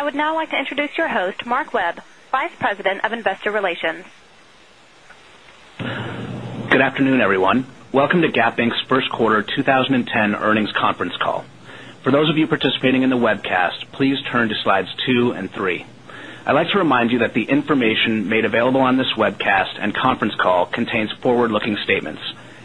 I would now like to introduce your host, Mark Webb, Vice President of Investor Relations. Good afternoon, everyone. Welcome to Gap Inc. Q1 2010 earnings conference call. For those of you participating in the webcast, please turn to Slides 23. I'd like to remind you that the information made available on this webcast and conference call contains forward looking statements,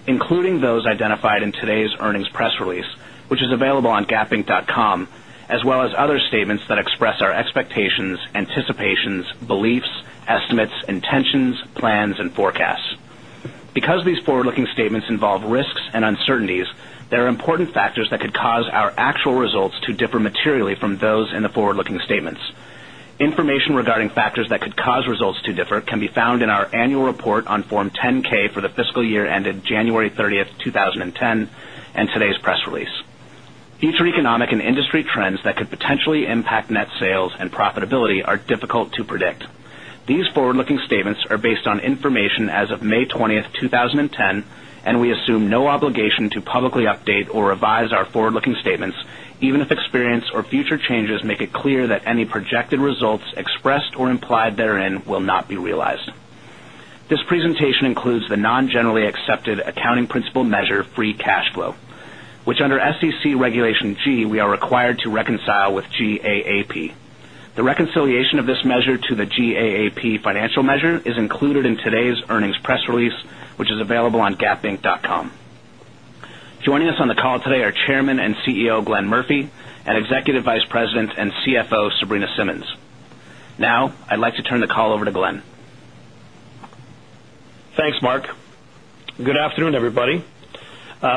including those identified in today's earnings press release, which is available on gapinc.com, as well as other statements that express our expectations, anticipations, beliefs, estimates, intentions, plans and forecasts. Because these forward looking statements involve risks and uncertainties, there are important factors that could cause our actual results to differ materially from those in the forward looking statements. Information regarding factors that could cause results to differ can be found in our Annual Report on Form 10 ks for the fiscal year ended January 30, 2010, and today's press release. Future economic and industry trends that could potentially impact net sales and profitability are difficult to predict. These forward looking statements are based on information as of May 20, 2010, and we assume no obligation to publicly update or revise our forward looking statements, even if experience or future changes make it clear that any projected results expressed or implied therein will not be realized. This presentation includes the the financial measure is included in today's earnings press release, which is available on gapinc.com. Joining us on the call today are Chairman and CEO, Glenn Murphy and Executive Vice President and CFO, Sabrina Simmons. Now, I'd like to turn the call over to Glenn. Thanks, Mark. Good afternoon, everybody.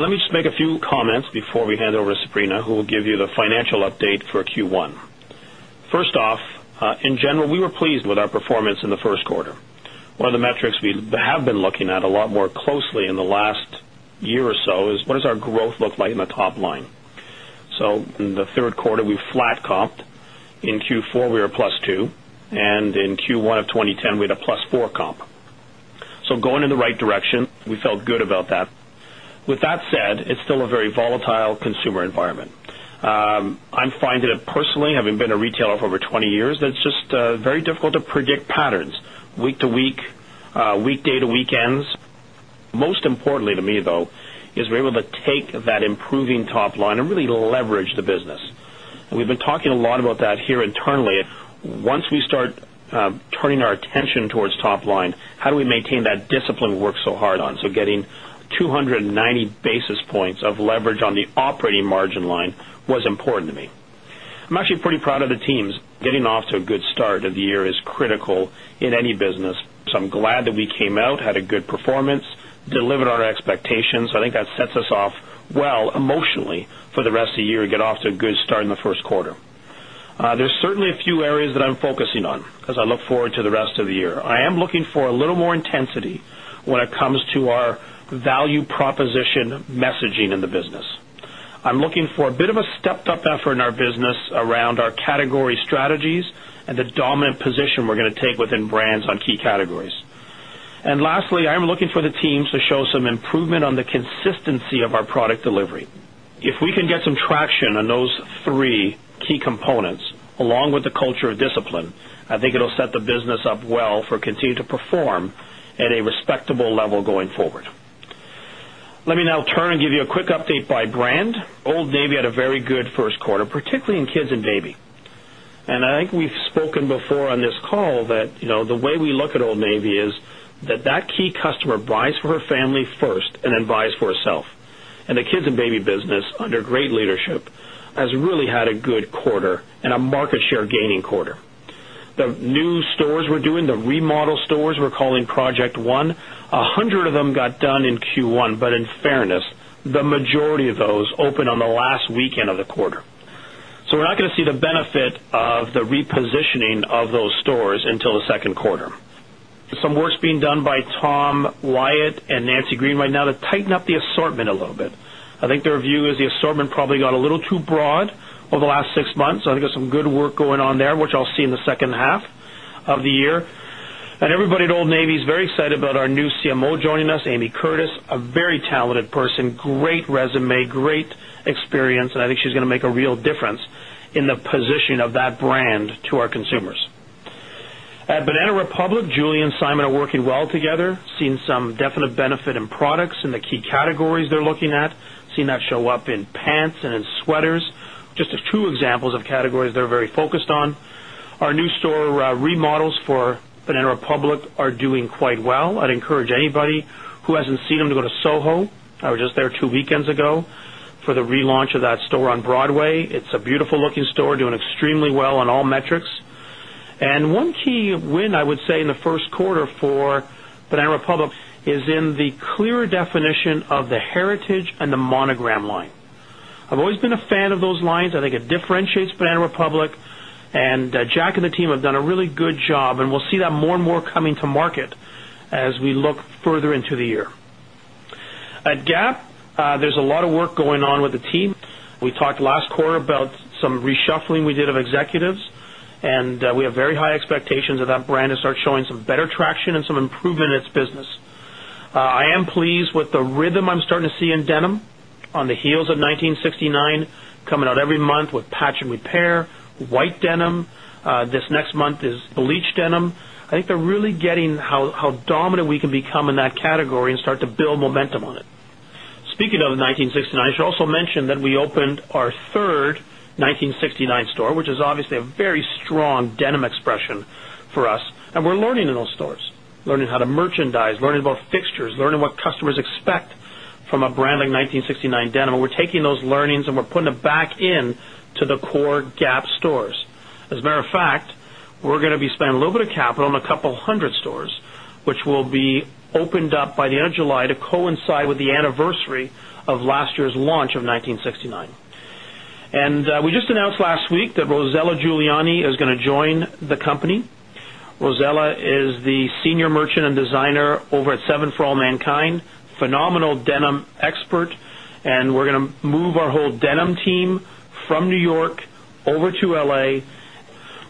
Let me just make a few comments before we hand over to Sabrina, who will give you the financial update for Q1. First off, in general, we were pleased with our performance in the Q1. One of the metrics we have been looking at a lot more closely in the last year or so is what does our growth look like in the top line. So in the Q3, we flat comped. In Q4, we were plus 2. And in Q1 of 2010, we had a plus 4 comp. So, going in the right direction, we felt good about that. With that said, it's still a very volatile consumer environment. I finding it personally, having been a retailer for over 20 years, that it's just very difficult to predict patterns, week to week, weekday to weekends. Most importantly to me though is we're able to take that improving top line and really leverage the business. And we've been talking a lot about that here internally. Once we start turning our attention towards top line, how do we maintain that discipline we work so hard on? So getting 290 basis points of leverage on the operating margin line was important to me. I'm actually pretty proud of the teams. Getting off to a good start of the year is critical in any business. So I'm glad that we came out, had a good performance, delivered our expectations. I think that sets us off well emotionally for the rest of the year and get off to a good start in the Q1. There's certainly a few areas that I'm focusing on as I look forward to the rest of the year. I am looking for a little more intensity when it comes to our value proposition messaging in the business. I'm looking for a bit of a stepped up effort in our business around our category strategies and the dominant position we're going to take within brands on key categories. And lastly, I'm looking for the teams to show some improvement on the consistency of our product delivery. If we can get some traction on those three key components, along with the culture of discipline, I think it will set the business up well for continuing to perform at a respectable level going forward. Let me now turn and give you a quick update by brand. Old Navy had a very good Q1, particularly in kids and baby. And I think we've spoken before on this call that the way we look at Old Navy is that that key customer buys for her family first and then buys for herself. And the kids and baby business, under great leadership, has really had a good quarter and a market share gaining quarter. The new stores we're doing, the remodel stores we're calling Project 1, 100 of them got done in Q1, but in fairness, the majority of those opened on the last weekend of the quarter. So, we're not going to see the benefit of the repositioning of those stores until the Q2. Some work is being done by Tom Wyatt and Nancy Green right now to tighten up the assortment a little bit. I think their view is the assortment probably got a little too broad over the last 6 months. I think there's some good work going on there, which I'll see in the second half of the year. And everybody at Old Navy is very excited about our new CMO joining us, Amy Curtis, a very talented person, great resume, great experience, and I think she's going to make a real difference in the position of that brand to our consumers. At Banana Republic, Julie and Simon are working well together, seeing some definite benefit in products in the key categories they're looking at, seeing that show up in pants and in sweaters, just two examples of categories they're very focused on. Our new store remodels for Banana Republic are doing quite well. I'd encourage anybody who hasn't seen them to go to SoHo, I was just there 2 weekends ago for the relaunch of that store on Broadway. It's a beautiful looking store doing extremely well on all metrics. And one key win, I would say, in the Q1 for Banana Republic is in the clearer definition of the heritage and the differentiates Banana Republic, and Jack and the team have done a really good job, and we'll see that more and more coming to market as we look further into the year. At Gap, there's a lot of work going on with the team. We talked last quarter about some reshuffling we did of executives, and we have very high expectations of that brand to start showing some better traction and some improvement in its business. I am pleased with the rhythm I'm starting to see in denim on the heels of 1969 coming out every month with patch and repair, white denim. This next month is bleach denim. I think they're really getting how dominant we can become in that category and start to build momentum on it. Speaking of 1969, I should also mention that we opened our 3rd 1969 store, which is obviously a very strong denim expression for us and we're learning in those stores, learning how to merchandise, learning about fixtures, learning what customers expect from a brand like 1969 denim. We're taking those learnings and we're putting them back in to the core Gap stores. As a matter of fact, we're going to be spending a little bit of capital in a couple of 100 stores, which will be opened up by the end of July to coincide with the anniversary of last year's launch of 1969. And we just announced last week that Rosella Giuliani is going to join the company. Rosella is the senior merchant and designer over at 7 For All Mankind, phenomenal denim expert, and we're going to move our whole denim team from New York over to LA.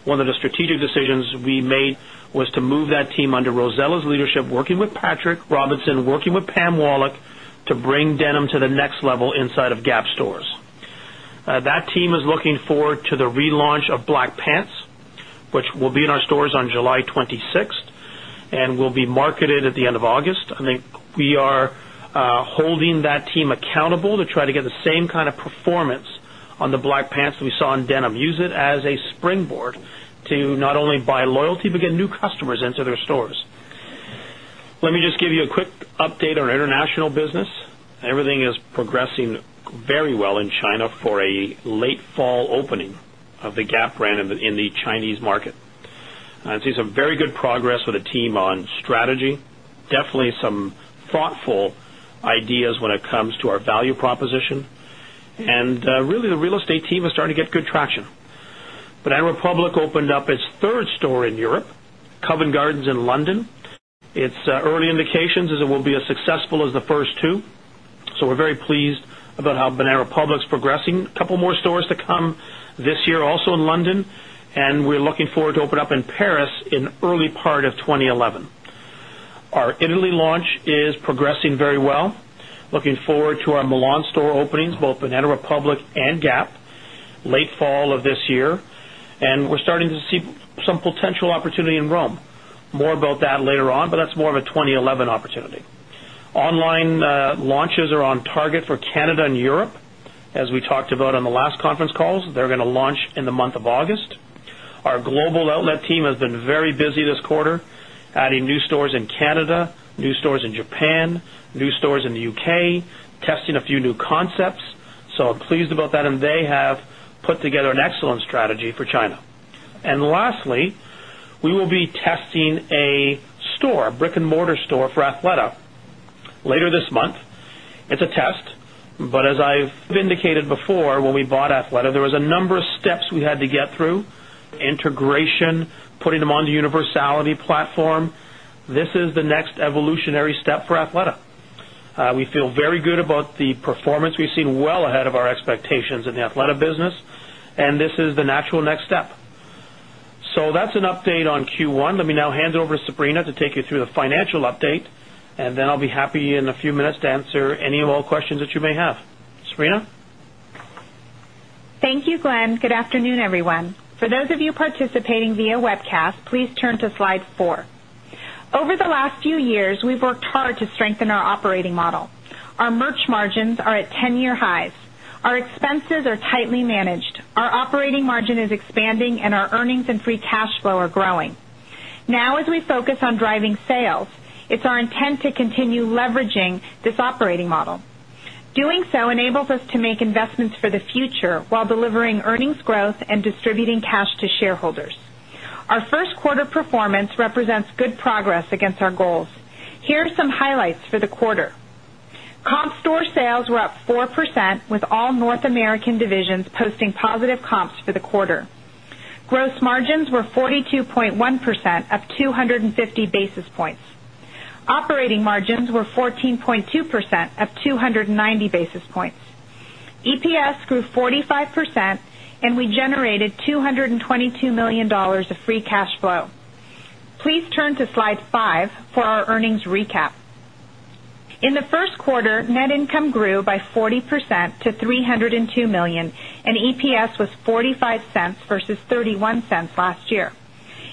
One of the strategic decisions we made was to move that team under Rosella's leadership, working with Patrick Robinson, working with Pam Wallach to bring denim to the next level inside of Gap stores. That team is looking forward to the relaunch of black pants, which will be in our stores on July 26 and will be marketed at the end of August. I think we are holding that team accountable to try to get the same kind of performance on the black pants that we saw in denim, use it as a springboard to not only buy loyalty, but get new customers into their stores. Let me just give you a quick update on international business. Everything is progressing very well in China for a late fall opening of the Gap brand in the Chinese market. And I see some very good progress the team on strategy, definitely some thoughtful ideas when it comes to our value proposition. And really, the real estate team is starting to get good traction. But Anne Republic opened up its 3rd store in Europe, Covent Gardens in London. Its early indications is it will be as successful as the first two. So we're very pleased about how Banana Republic is progressing. A couple of more stores to come this year also in London, and we're looking forward to open up in Paris in early part of 2011. Our Italy launch is progressing very well. Looking forward to our launch is progressing very well. Looking forward to our Milan store openings, both Banana Republic and Gap, late fall of this year. And we're starting to see some potential opportunity in Rome. More about that later on, but that's more of a 2011 opportunity. Online launches are on target for Canada and Europe. As we talked about on the last conference calls, they're going to launch in the month of August. Our global outlet team has been very busy this quarter, adding new stores in Canada, new stores in Japan, new stores in the UK, testing a few new concepts. So I'm pleased about that. They have put together an excellent strategy for China. And lastly, we will be testing a store, a brick and mortar store for Athleta later this month. It's a test. But as I've indicated before, when we bought Athleta, there was a number of steps we had to get through, integration, putting them on the universality platform. This is the next evolutionary step for Athleta. We feel very good about the performance. We've seen well ahead of our expectations in the Athleta business, and this is the natural next step. So that's an update on Q1. Let me now hand it over to Sabrina to take you through the financial update, and then I'll be happy in a few minutes to answer any and all questions that you may have. Sabrina? Thank you, Glenn. Good afternoon, everyone. For those of you participating via webcast, please turn to Slide 4. Over the last few years, we've worked hard to strengthen our operating model. Our merch margins are at 10 year highs. Our expenses are tightly managed. Our operating margin is expanding and our earnings and free cash flow are growing. Now as we focus on driving sales, it's our intent to continue leveraging this operating model. Doing so enables us to make investments for the future while delivering earnings growth and distributing cash to shareholders. Our first quarter performance represents good progress against our goals. Here are some highlights for the quarter. Comp store sales were up 4% with all North American divisions posting positive comps for the quarter. Gross margins were 42.1%, up 2 50 basis points. Operating margins were 14.2 percent, up 2.90 basis points. EPS grew 45% and we generated $222,000,000 of free cash flow. Please turn to Slide 5 for our earnings recap. In the Q1, net income grew by 40% to $302,000,000 and EPS was 0.45 dollars versus $0.31 last year.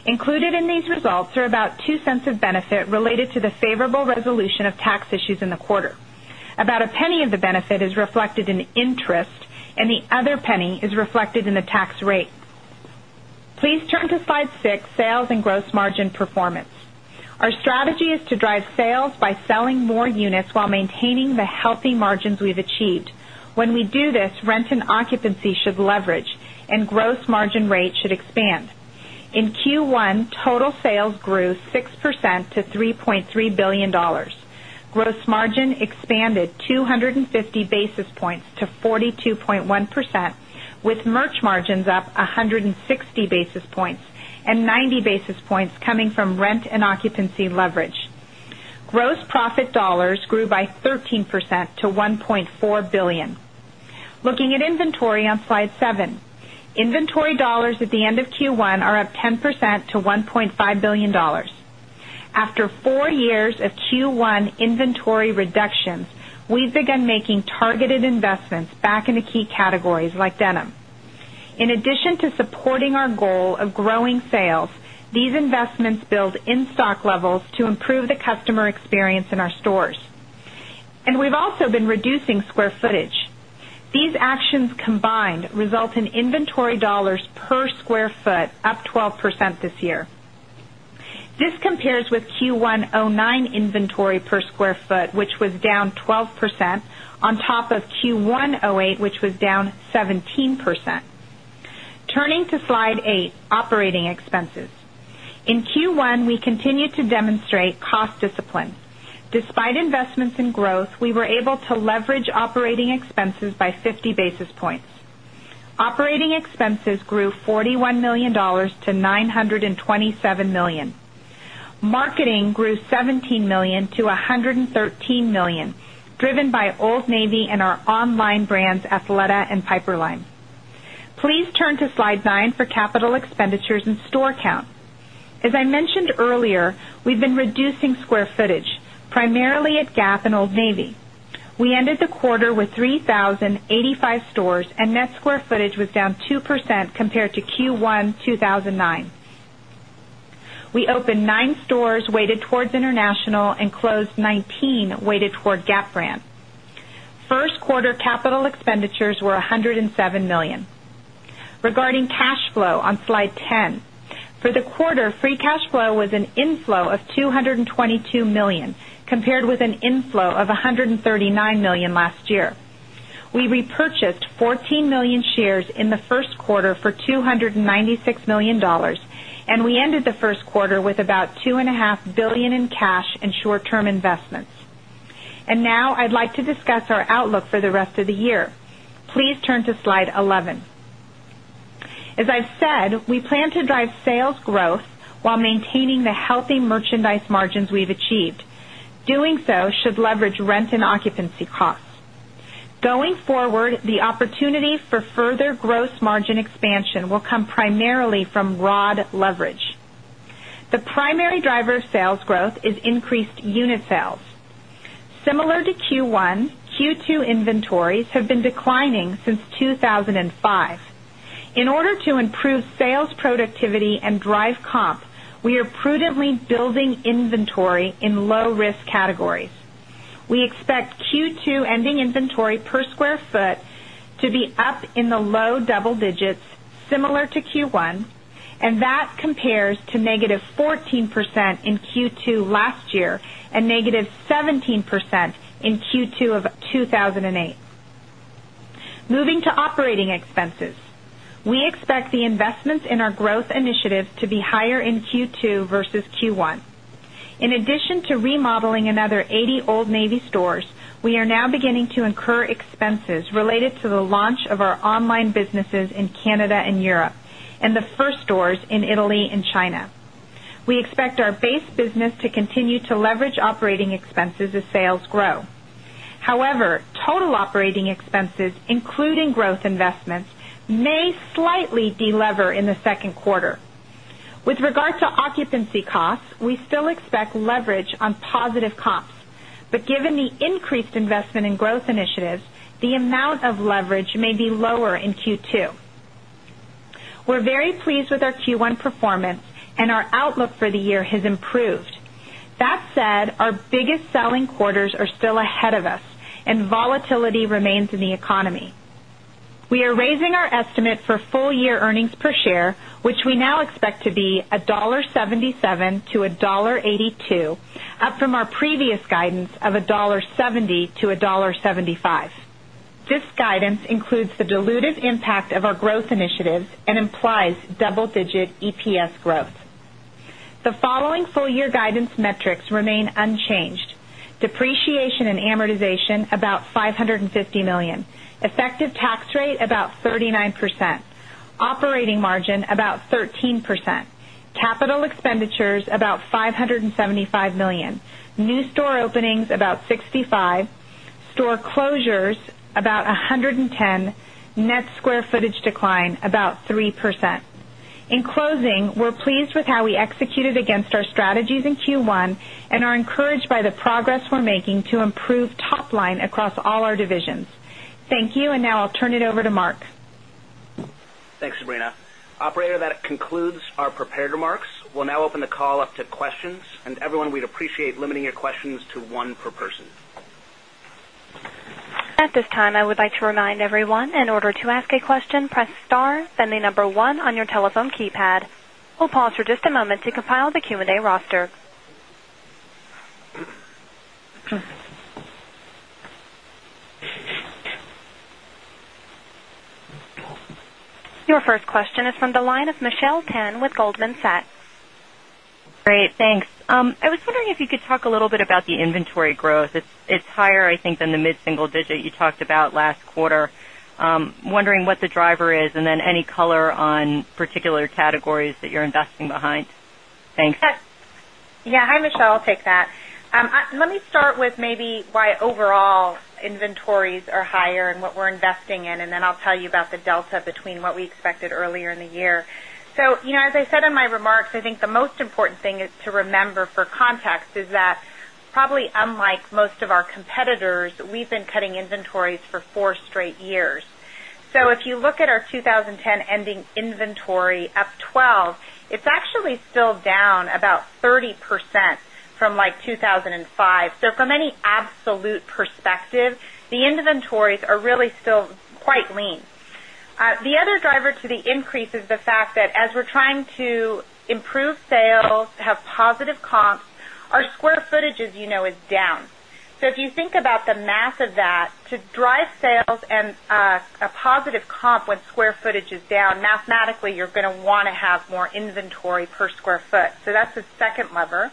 Included in these results are about $0.02 of benefit related to the favorable resolution of tax issues in the quarter. About $0.01 of the benefit is reflected in interest and the other $0.01 is reflected in the tax rate. Please turn to slide 6, sales and gross margin performance. Our strategy is to drive sales by selling more units while maintaining the healthy margins we've achieved. When we do this, rent and occupancy should leverage and gross margin rate should expand. In Q1, total sales grew 6% to $3,300,000,000 Gross margin expanded 250 basis points to 42.1 percent with merch margins up 160 basis points and 90 basis points coming from rent and occupancy leverage. Gross profit dollars grew by 13% to 1.4 $1,000,000,000 Looking at inventory on Slide 7. Inventory dollars at the end of Q1 are up 10% to $1,500,000,000 After 4 years of Q1 inventory reductions, we've begun making targeted investments back into key categories like denim. In addition to supporting our goal of growing sales, these investments build in stock levels to improve the customer experience in our stores. And we've also been reducing square footage. These actions combined result in inventory dollars per square foot up 12% this year. This compares with Q1 'nine inventory per square foot, which was down 12% on top of Q1 'eight, which was down 17%. Turning to Slide 8, operating expenses. In Q1, we continued to demonstrate cost discipline. Despite investments in growth, we were able to leverage operating expenses by 50 basis points. Operating expenses grew $41,000,000 to 9.20 $1,000,000 Marketing grew $17,000,000 to $113,000,000 driven by Old Navy and our online brands Athleta and Piperline. Please turn to slide 9 for capital expenditures and store count. As I mentioned earlier, we've been reducing square footage, primarily at Gap and Old Navy. We ended the quarter with 3,085 stores and net square footage was down 2% compared to Q1, 2009. We opened 9 stores weighted towards international and closed 19 weighted toward Gap brand. 1st quarter capital Brand. 1st quarter capital expenditures were $107,000,000 Regarding cash flow on slide 10. For the quarter, free cash flow was an inflow of $222,000,000 compared with an inflow of $139,000,000 last year. We repurchased 14,000,000 shares in dollars last year. We repurchased 14,000,000 shares in the Q1 for $296,000,000 and we ended the Q1 with about $2,500,000,000 in cash and short term investments. And now I'd like to discuss our outlook for the rest of the year. Please turn to slide 11. As I've said, we plan to drive sales growth while maintaining the healthy merchandise margins we've achieved. Doing so should leverage rent and occupancy costs. Going forward, the opportunity for further gross margin expansion will come primarily from rod leverage. The primary driver of sales growth is increased unit sales. Similar to Q1, Q2 inventories have been declining since 2,005. In order to improve sales productivity and drive comp, we are prudently building inventory in low risk categories. We expect Q2 ending inventory per square foot to be up in the low double digits similar to Q1 and that compares to negative 14 14% in Q2 last year and negative 17% in Q2 of 2018. Moving to operating expenses. We expect the investments in our growth initiatives to be higher in Q2 versus Q1. In addition to remodeling another 80 Old Navy stores, we are now beginning to incur expenses related to the launch of our online businesses in Canada and Europe and the first stores in Italy and China. We expect our base business to continue to leverage operating expenses as sales grow. However, total operating expenses, including growth investments, may slightly delever in the Q2. With regard to occupancy costs, we still expect leverage on positive comps. But given the increased investment in growth initiatives, the amount of leverage may be lower in Q2. We're very pleased with our Q1 performance and our outlook for the year has improved. That said, our biggest selling quarters are still ahead of us and volatility remains in the economy. We are raising our estimate for full year earnings per share, which we now expect to be $1.77 to $1.82 up from our previous guidance of $1.70 to 1.7 $5 This guidance includes the dilutive impact of our growth initiatives and implies double digit EPS growth. The following full year guidance metrics remain unchanged. Depreciation and amortization about $550,000,000 effective tax rate about 39 percent operating margin about 13% capital expenditures about $575,000,000 new store openings about $65,000,000 store closures about $110,000,000 net square footage decline about 3%. In closing, we're pleased with how we executed against our strategies in Q1 and are encouraged by the progress we're making to improve top line across all our divisions. Thank you. And now I'll turn it over to Mark. Thanks, Sabrina. Operator, that concludes our prepared remarks. We'll now open the call up to questions. And everyone, we'd appreciate limiting your questions to 1 per person. Your first question is from the line of Michelle Tan with Goldman Sachs. Great. Thanks. I was wondering if you could talk a little bit about the inventory growth. It's higher, I think, than the mid single digit you talked about last quarter. Wondering what the driver is? And then any color on particular categories that you're investing behind? Thanks. Yes. Hi, Michelle. I'll take that. Let me start with maybe why overall inventories are higher and what we're investing in, and then I'll tell you about the delta between what we expected earlier in the year. So as I said in my remarks, I think the most important thing is to remember for context is that probably unlike most of our competitors, we've been cutting inventories for 4 straight years. So if you look at our 2010 ending inventory up 12%, it's actually still down about 30% from like 2,005. So from any absolute perspective, the inventories are really still quite lean. The other driver to the increase is the fact that as we're trying to improve sales, have positive comps, our square footage, as you know, is down. So if you think about the math of that, to drive sales and a positive comp when square footage is down, mathematically, you're going to want to have more inventory per square foot. So that's the you're going to want to have more inventory per square foot. So that's the second lever.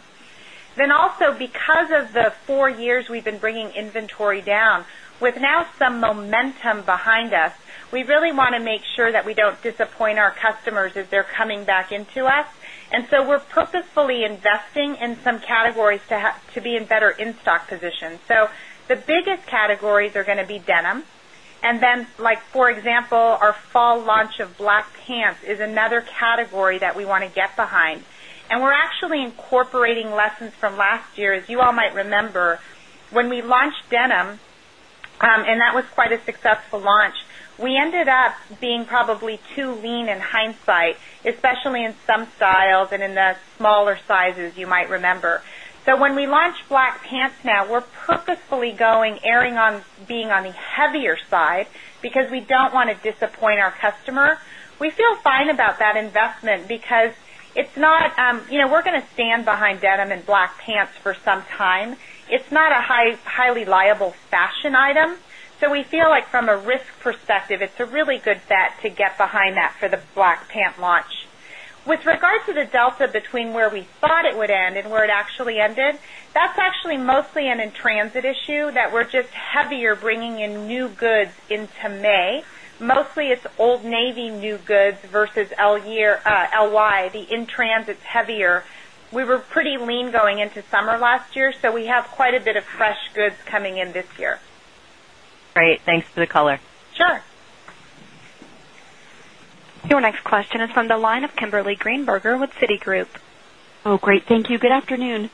Then also because of the 4 years we've been bringing inventory down, with now some momentum behind us, we really want to make sure that we don't disappoint our customers as they're coming back into us. And so we're purposefully investing in some categories to be in better in stock position. So the biggest categories are going to be denim. And then like for example, our fall launch of black pants is another category that we want to get behind. And we're actually incorporating lessons from last year. As you all might remember, when we launched denim and that was quite a successful launch, we ended up being probably too lean in hindsight, especially in some styles and in the smaller sizes you might remember. So when we launched black pants now, we're purposefully going airing on being on the heavier side because we don't want to disappoint our customer. We feel fine about that investment because it's not we're going to stand behind denim and black pants for some time. It's not a highly liable fashion item. So we feel like from a risk perspective, it's a really good bet to get behind that for the black pant launch. With regard to the delta between where we thought it would end and where it actually ended, that's actually mostly an in transit issue that we're just heavier bringing in new goods into May. Mostly it's Old Navy new goods versus L year LY, the in transit heavier. We were pretty lean going into summer last year, so we have quite a bit of fresh goods coming in this year. Great. Thanks for the color. Sure. Your next question is from the line of Kimberly Greenberger with Citigroup. Great. Thank you. Good afternoon.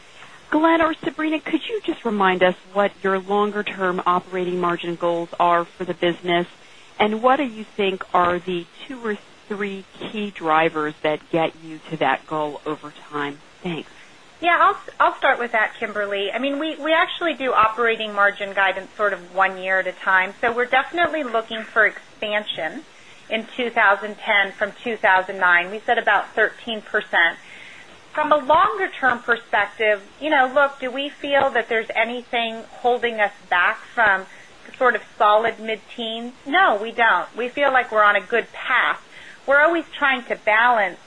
Glenn or Sabrina, could you just remind us what your longer term operating margin goals are for the business? And what do you think are the 2 or 3 key drivers that get you to that goal over time? Thanks. Yes. I'll start with that, Kimberly. I mean, we actually do operating margin guidance sort of 1 year at a time. So we're definitely looking for expansion in 2010 from 2,009. We said about 13%. From a longer term perspective, look, do we feel that there's anything holding us back from sort of solid mid teens? No, we don't. We feel like we're on a good path. We're always trying to balance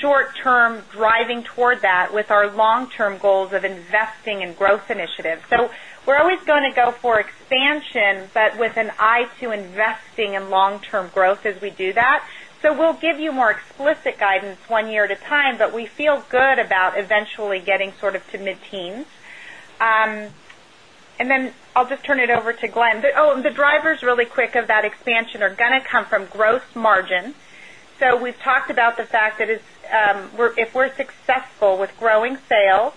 short term driving toward that with our long term goals of investing in growth initiatives. So we're always going to go for expansion, but with an eye to investing in long term growth as we do that. So we'll give you more explicit guidance 1 year at a time, but we feel good about eventually getting sort of to mid teens. And then I'll just turn it over to Glenn. The drivers really quick of that expansion are going to come from gross margin. So we've talked about the fact that if we're successful with growing sales,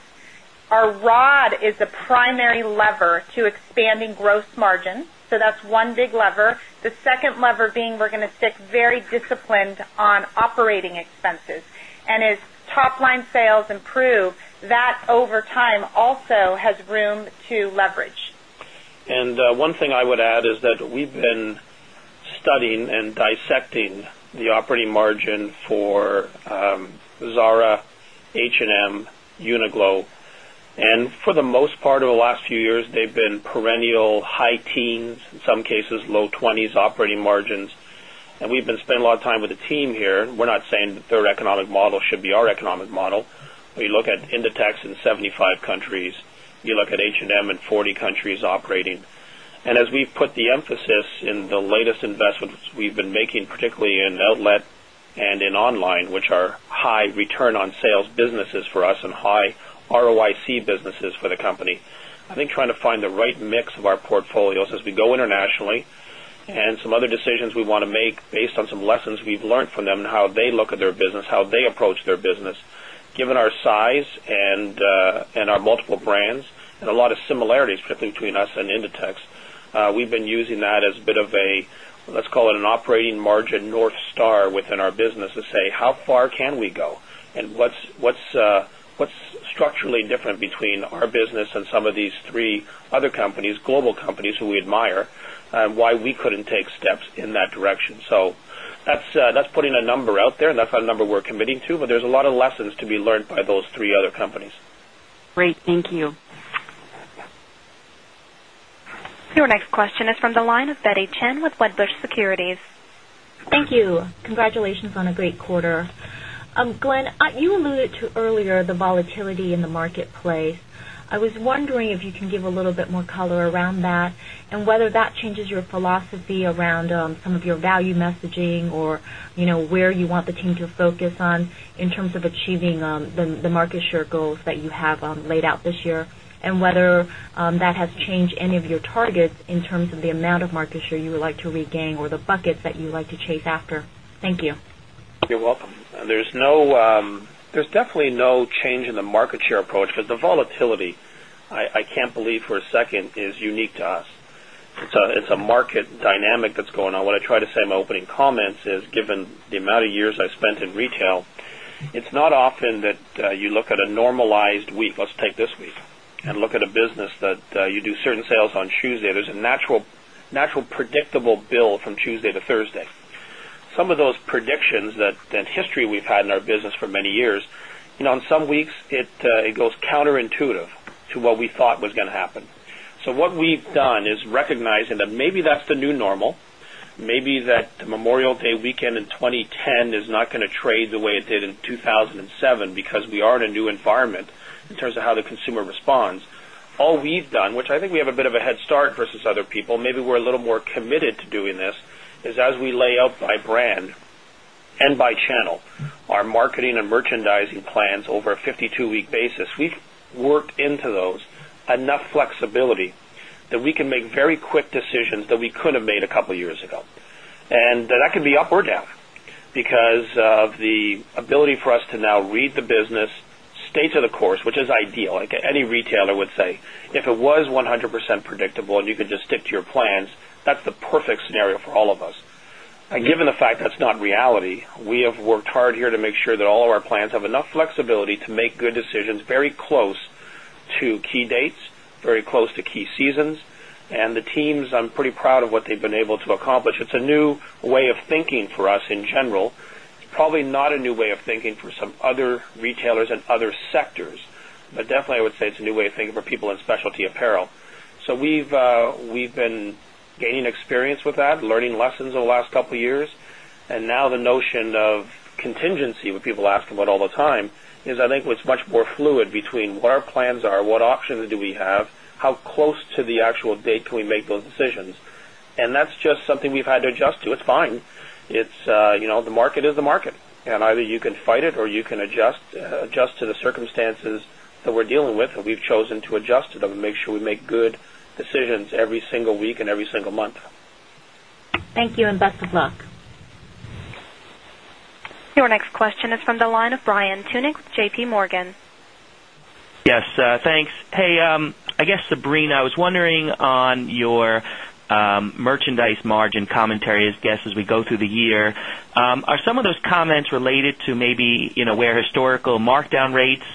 our rod is the primary lever to expanding gross margin. So that's one big lever. The second lever being we're going to stick very disciplined on operating expenses. And as top line sales improve that over time also has room to leverage. And one thing I would add is that we've been studying and dissecting the operating margin for Zara, H and M, Uniglo and for the most part of the last few years they've been perennial high teens, in some cases low 20s operating margins and we've been spending a lot of time with the team here. We're not saying that their economic model should be our economic model. We look at Inditex in 75 countries, we look at H and M in 40 countries operating. And as we put the emphasis in the latest investments we've been making particularly in outlet and in on line, which are high return on sales businesses for us and high ROIC businesses for the company. I think trying to find the right mix of our portfolios as we go internationally and some other decisions we want to make based on some lessons we've learned from them and how they look at their business, how they approach their business. Given our size and our multiple brands and a lot of similarities between us and Inditex, we've been using that as a bit of a let's call it an operating margin North Star within our business to say how far can we go and what's structurally different between our business and some of these 3 other companies, global companies who we admire and why we couldn't take steps in that direction. So that's putting a number out there and that's a number we're committing to, but there's a lot of lessons to be learned by those 3 other companies. Great. Thank you. Your next question is from the line of Betty Chen with Wedbush Securities. Thank you. Congratulations on a great quarter. Glenn, you alluded to earlier the volatility in the marketplace. I was wondering if you can give a little bit more color around that and some of your value messaging or where you want the team to focus on in terms of achieving the market share goals that you have laid out this year and whether that has changed any of your targets in terms of the amount of market share you would like to regain or the buckets that you like to chase after? Thank you. You're welcome. There's no there's definitely no change in the market share approach, but the volatility, I can't believe for a second is unique to us. It's a market dynamic that's going on. What I try to say in my opening comments is given the amount of years I spent in retail, it's not often that you look at a normalized week, let's take this week and look at a business that you do certain sales on Tuesday, there's a natural predictable bill from Tuesday to Thursday. Some of those predictions that history we've had in our business for many years, on some weeks it goes counterintuitive to what we thought was going to happen. So what we've done is recognizing that maybe that's the new normal, maybe that Memorial Day weekend in 2010 is not going to trade the way it did in 2,007 because we are in a new environment in terms of how the consumer responds. All we've done, which I think we have a bit of a head start versus other people, maybe we're a little more committed to doing this is as we lay out by brand and by channel, our marketing and merchandising plans over a 52 week basis, we've worked into those enough flexibility that we can make very quick decisions that we could have made a couple of years ago. And that can be up or down, because of the ability for us to now read the business, stay to the course, which is ideal, like any retailer would say, if it was 100% predictable and you could just stick to your plans, that's the perfect scenario for all of us. Given the fact that's not reality, we have worked hard here to make sure that all of our plans have enough flexibility to make good decisions very close to key dates, very close to key seasons, and the teams, I'm pretty proud of what they've been able to accomplish. It's a new way of thinking for us in general. It's probably not a new way of thinking for some other retailers and other sectors, but definitely I would say it's a new way of thinking for people in specialty apparel. But definitely I would say it's a new way of thinking for people in specialty apparel. So we've been gaining experience with that, learning lessons over the last couple of years. And now the notion of contingency, what people ask about all the time is, I think, what's much more fluid between what our plans are, what options do we have, I think what's much more fluid between what our plans are, what options do we have, how close to the actual date can we make those decisions. And that's just something we've had to adjust to, it's fine. The market is the market and either you can fight it or you can adjust to the circumstances that we're dealing with and we've chosen to adjust to them and make sure we make good decisions every single week and every single month. Thank you and best of luck. Your next question is from the line of Brian Tunick with JPMorgan. Yes, thanks. Hey, I guess Sabrina, I was wondering on your merchandise margin commentary as guests as we go through the year. Are some of those comments related to maybe where historical markdown rates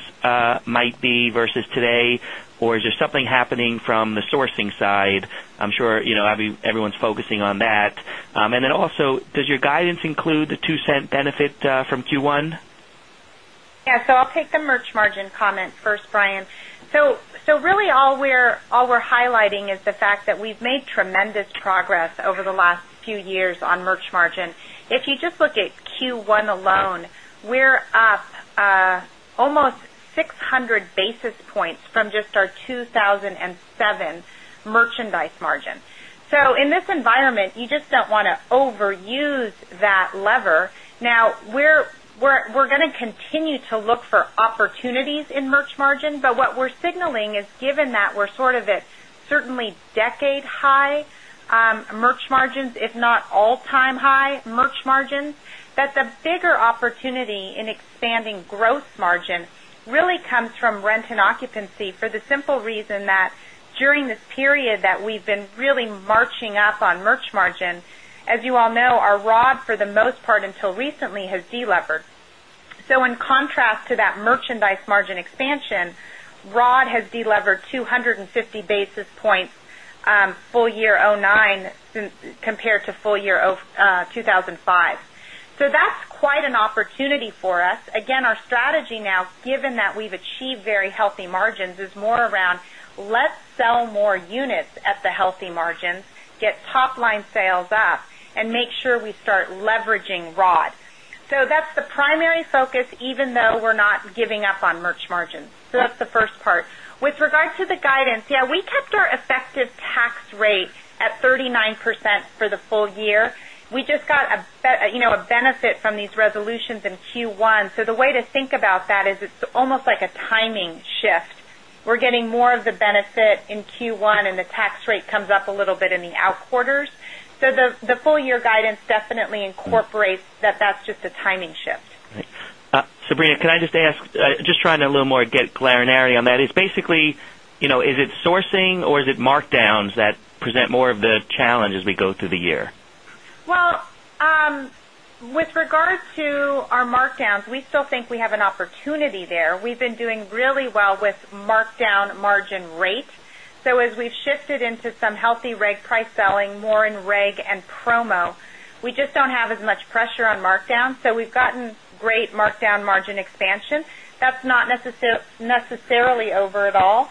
might be versus today or is there something happening from the sourcing side? I'm sure everyone's focusing on that. And then also, does your guidance include the $0.02 benefit from Q1? Yes. So I'll take the merch margin comment first, Brian. So really all we're highlighting is the fact that we've made tremendous progress over the last few years on merch margin. If you just look at Q1 alone, we're up almost 600 basis points from just our 2,007 merchandise margin. So in this environment, you just don't want to overuse that lever. Now we're going to continue to look for opportunities in merch margin, but what we're signaling is given that we're sort of at certainly decade high merch margins, if not all time high merch margins, that's a bigger opportunity in expanding gross margin really comes from rent and occupancy for the simple reason that during this period that we've been really marching up on merch margin. As you all know, our rod for the most part until recently has delevered. So in contrast to that merchandise margin expansion, rod has delevered 250 basis points full year 2009 compared to full year 2005. So that's quite an opportunity for us. Again, our strategy now given that we've achieved very healthy margins is more around let's sell more units at the healthy margins, get top line sales up and make sure we start leveraging rod. So that's the primary focus even though we're not giving up on merch margins. So that's the first part. With regard to the guidance, yes, we kept our effective tax rate at 39% for the full year. We just got a benefit from these resolutions in Q1. So the way to think about that is it's almost like a timing shift. We're getting more of the benefit in Q1 and the tax rate comes up a little bit in the out quarters. So the full year guidance definitely incorporates that that's just a timing shift. Sabrina, can I just ask just trying to a little more get clarity on that? It's basically is it sourcing or is it markdowns that present more of the challenge as we go through the year? Well, with regard to our markdowns, we still think we have an opportunity there. We've been doing really well with markdown margin rate. So as we've shifted into some healthy reg price selling, more in reg and promo, we just don't have as much pressure on markdown. So we've gotten great markdown margin expansion. That's not necessarily over at all.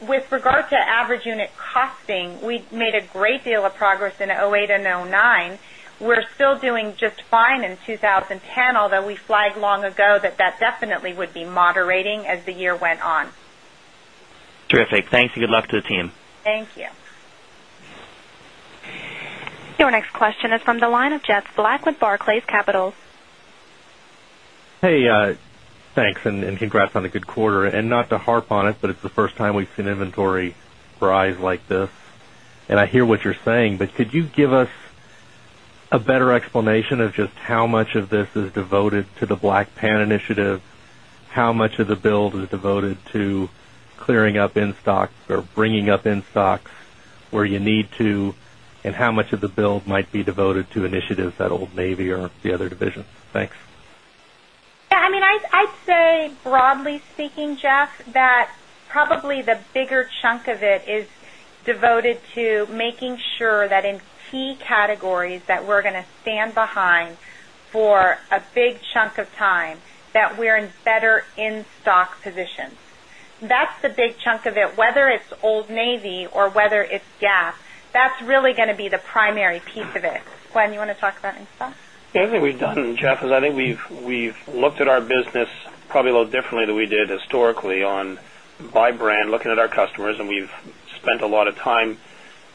With regard to average unit costing, we made a great deal of progress in 'eight and 'nine. We're still doing just fine in 2010, although we flagged long ago that that definitely would be moderating as the year went on. Terrific. Thanks and good luck to the team. Thank you. Your next question is from the line of Jeff Black with Barclays Capital. Hey, thanks and congrats And not to harp on it, but it's the first time we've seen inventory rise like this. And I hear what you're saying, but could you give us a better explanation of just how much of this is devoted to the Black devoted to the Black Pan initiative? How much of the build is devoted to clearing up in stock or bringing up in stocks where you need to? And how much of the build might be devoted to initiatives at Old Navy or the other divisions? Thanks. I mean, I'd say broadly speaking, Jeff, that probably the bigger chunk of it is devoted to making sure that in key categories that we're going to stand behind for a big chunk of time that we're in better in stock position. That's the big chunk of it, whether it's Old Navy or whether it's gas, that's really going to be the primary piece of it. Gwen, do you want to talk about in stock? The thing we've done, Jeff, is I think we've looked at our business probably a little differently than we did historically on by brand, looking at our customers and we've spent a lot of time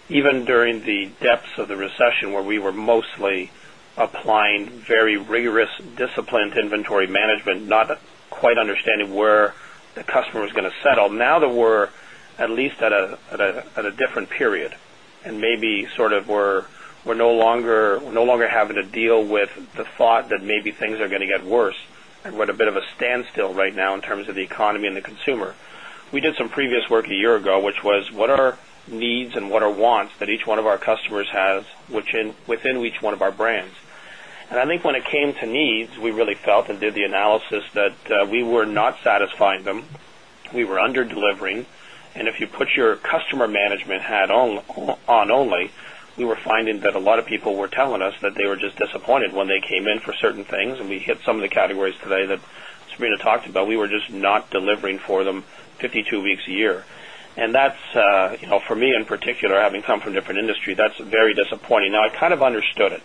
even during the depths of the recession where we were mostly applying very rigorous disciplined inventory management, not quite understanding where the customer is going to settle, now that we're at least at a different period and maybe sort of we're no longer having to deal with the thought that maybe things are going to get worse and we're at a bit of a standstill right now in terms of the economy and the consumer. We did some previous work a year ago, which was what are needs and what are wants that each one of our customers has within each one of our brands. And I think when it came to needs, we really felt and did the analysis that we were not satisfying them, we were under delivering and if you put your customer management hat on only, we were finding that a lot of people were telling us that they were just disappointed when they came in for certain things and we hit some of the categories today that Sabrina talked about, we were just not delivering for them 52 weeks a year. And that's for me in particular, having come from different industry, that's very disappointing. Now I kind of understood it.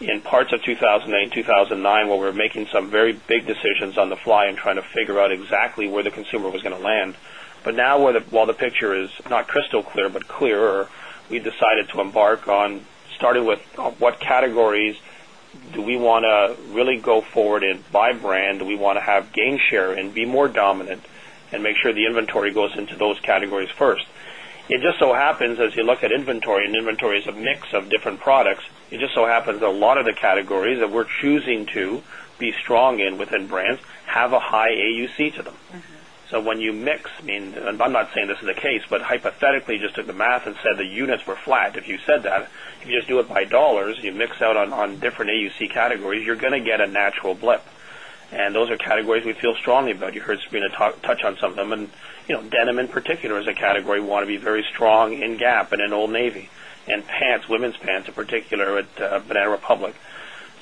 In parts of 2,008, 2,009 where we're making some very big decisions on the fly and trying to figure out exactly where the consumer was going to land. But now while the picture is not crystal clear, but clearer, we decided to embark on starting with what categories do we want to really go forward and buy brand, we want to have gainshare and be more dominant and make sure the inventory goes into those categories first. It just so happens as you look at inventory and inventory is a mix of different products, it just so happens a lot of the categories that we're choosing to be strong in within brands have a high AUC to them. So when you mix, I mean, I'm not saying this is the case, but hypothetically just took the math and said the units were flat. If you said that, if you just do it by dollars, you mix out on different AUC categories, you're going to get a natural blip. And those are categories we feel strongly about. You heard Sabrina touch on some of them. And denim in particular is a category we want to be very strong in Gap and in Old Navy, and pants, women's pants in particular at Banana Republic.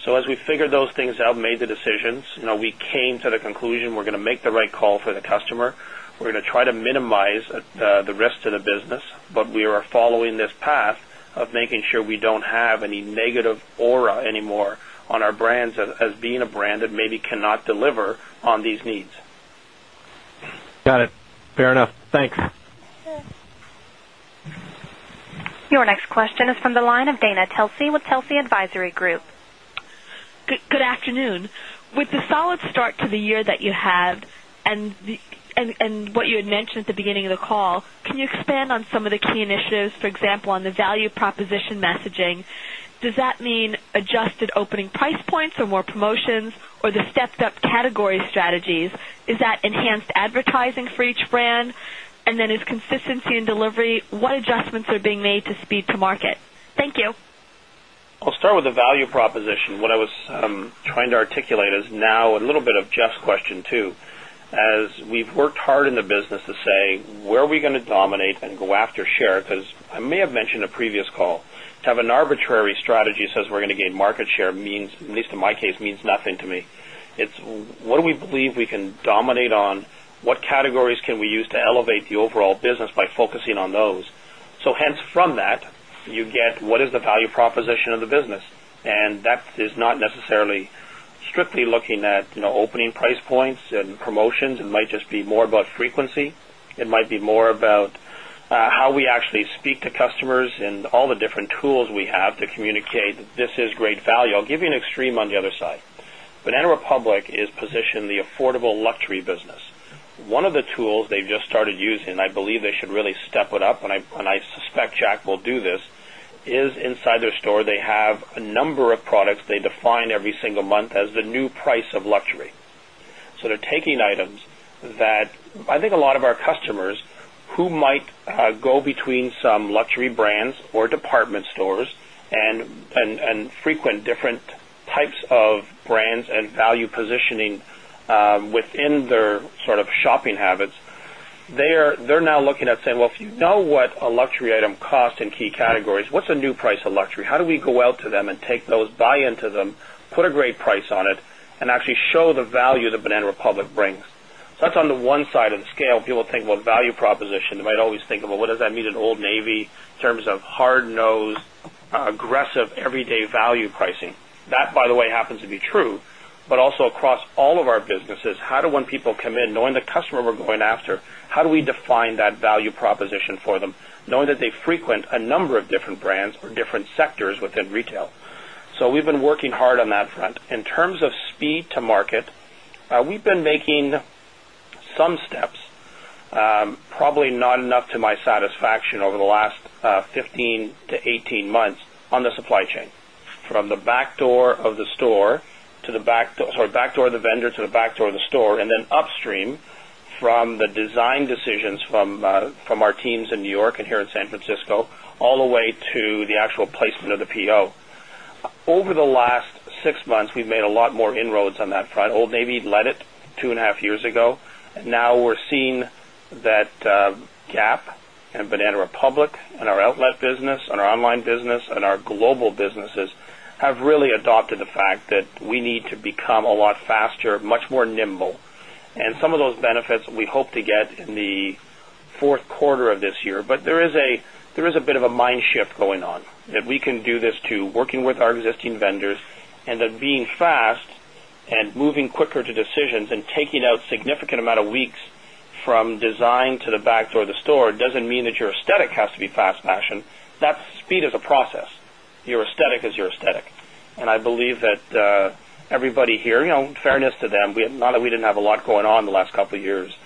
So as we figure those things out, made the decisions, we came to the conclusion we're going to make the right call for the customer. We're going to try to minimize the rest of the business, but we are following this path of making sure we don't have any negative aura anymore on our brands as being a brand that maybe cannot deliver on these needs. Got it. Fair enough. Thanks. Your next question is from the line of Dana Telsey with Telsey Advisory Group. Good afternoon. With the solid start to the year that you have and what you had mentioned at the beginning of the call, can you expand on some of the key initiatives, for example, on the value proposition messaging? Does that mean adjusted opening price points or more promotions or the stepped up category strategies? Is that enhanced advertising for each brand? And then is consistency in delivery, what adjustments are being made to speed to market? Thank you. I'll start with the value proposition. What I was trying to articulate is now a little bit of Jeff's question too. As we've worked hard in the business to say, where are we going to dominate and go after share, because I may have mentioned in a previous call, to have an arbitrary strategy says we're going to gain market share means, at least in my case, means nothing to me. It's what do we believe we can dominate on, what categories can we use to elevate the overall business by focusing on those. So hence from that you get what is the value proposition of the business and that is not necessarily strictly looking at opening price points and promotions, it might just be more about frequency, it might be more about how we actually speak to customers and all the different tools we have to communicate that this is great value. I'll give you an extreme on the other side. Banana Republic is positioned the affordable luxury business. One of the tools they've just started using, I believe they should really step it up and I suspect Jack will do this, is inside their store they have a number of products they define every single month as the new price of luxury. So they're taking items that I think a lot of our customers who might go between some luxury brands or department stores and frequent different types of brands and value positioning within their sort of shopping habits, they're now looking at saying, well, if you know what a luxury item cost in key categories, what's a new price of luxury? How do we go out to them and take those buy into them, put a great price on it and actually show the value that Banana Republic brings? So that's on the one side of the scale, people think about value proposition. They might always think about what does that mean in Old Navy in terms of hard nose aggressive everyday value pricing. That by the way happens to be true, but also across all of our businesses. How do when people come in knowing the customer we're going after, how do we define that value proposition for them, knowing that they frequent a number of different brands or different sectors with retail. So we've been working hard on that front. In terms of speed to market, we've been making some steps, probably not enough to my satisfaction over the last 15 months to 18 months on the supply chain from the back door of the vendor to the back door of the store and then upstream from the design decisions from our teams in New York and here in San Francisco all the way to the actual placement of the PO. Over the last 6 months, we've made a lot more inroads on that front. Old Navy led it 2.5 years ago. Now we're seeing that Gap and Banana Republic and our outlet business and our online business and our global businesses have really adopted the fact that we need to become a lot faster, much more nimble. And some of those benefits we hope to get in the Q4 of this year, but there is a bit of a mind shift going on that we can do this to working with our existing vendors and fashion. That speed is a process. Your aesthetic is your aesthetic. And I believe that everybody is Your aesthetic is your aesthetic. And I believe that everybody here, in fairness to them, not that we didn't have a lot going on in the last couple of years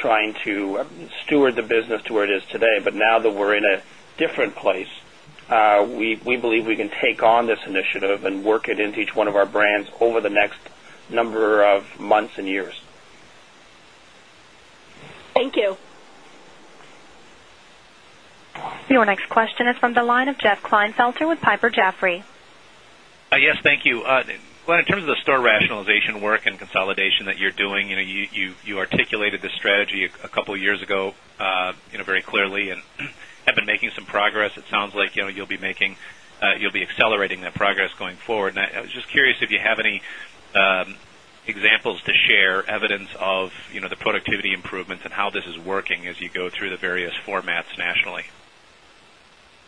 trying to steward the business to where it is today, but now that we're in a different place, we believe we can take on this initiative and work it into each one of our brands over the next number of months years. Thank you. Your next question is from the line of Jeff Klinefelter with Piper Jaffray. Yes, thank you. Glenn, in terms of the store rationalization work and consolidation that you're doing, you articulated the strategy a couple of years ago very clearly and have been making some progress. It sounds like you'll be making you'll be accelerating that progress going forward. And I was just curious if you have any examples to share evidence of the productivity improvements and how this is working as you go through the various formats nationally?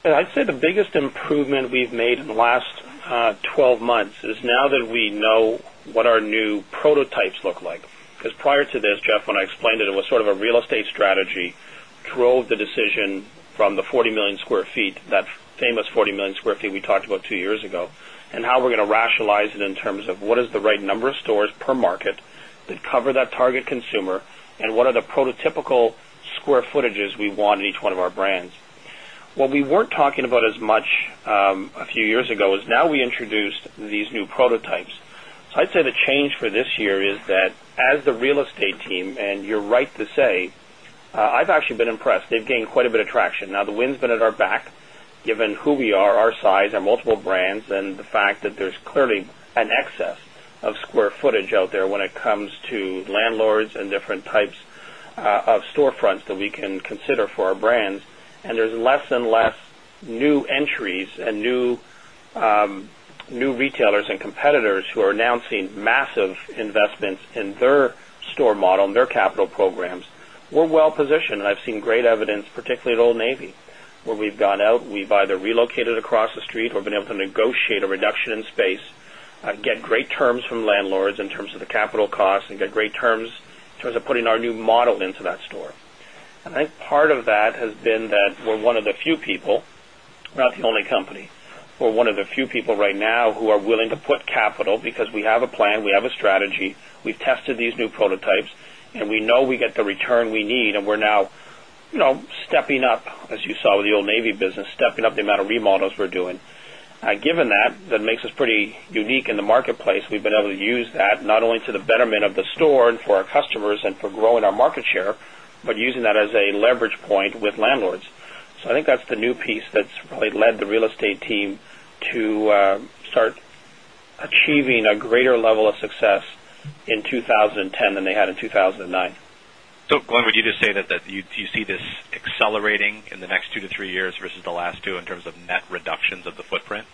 I'd say the biggest improvement we've made in the last 12 months is now that we know what our new prototypes look like, because prior to this, Jeff, when I explained it, it was sort of a real estate strategy drove the decision from the 40,000,000 square feet, that famous 40,000,000 square feet we talked about 2 years ago and how we're going to rationalize it in terms of what is the right number of stores per market that cover that target consumer and what are the prototypical square footages we want in each one of our brands. What we weren't talking about as much a few years ago is now we introduced these new prototypes. So I'd say the change for this year is that as the real estate team and you're right to say, I've actually been impressed, they've gained quite a bit of traction. Now the wind has been at our back given who we are, our size, our multiple brands and the fact that there's clearly an excess of square footage out there when it comes to landlords and different types of storefronts that we can consider for our brands. And there's less and less new entries and new retailers and competitors who are announcing massive investments in their store model and their capital programs, we're well positioned and I've seen great evidence particularly at Old Navy where we've gone out, we've either relocated across the street or been able to negotiate a reduction in space, get great terms from landlords in terms of the capital costs and get great terms in terms of putting our new model into that store. And I think part of that has been that we're one of the few people, not the only company, we're one of the few people right now who are willing to put capital because we have a plan, we have a strategy, we've tested these new prototypes and we know we get the return we need and we're now stepping up as you saw with the Old Navy business, stepping up the amount of remodels we're doing. Given that, that makes us pretty unique in the marketplace. We've been able to use that not only to the betterment of the store and for our customers and for growing our market share, but using that as a leverage point with landlords. So I think that's the new piece that's really led the real estate team to start achieving a greater level of success in 2010 than they had in 2,009. So Glenn, would you just say that you see this accelerating in the next 2 to 3 years versus the last 2 in terms of net reductions of the footprint?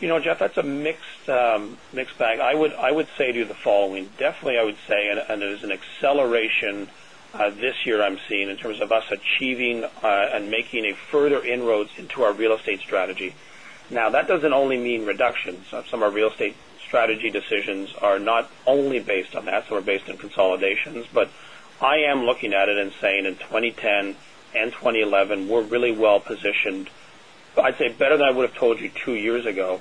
Jeff, that's a mixed bag. I would say to you the following. Definitely, I would say and there's an acceleration this year I'm seeing in terms of us achieving and making a further inroads into our real estate strategy. Now that doesn't only mean reductions. Some of our real estate strategy decisions are not only based on that sort of based on consolidations, but I am looking at it and saying in 20102011 we're really well positioned. I'd say better than I would have told you 2 years ago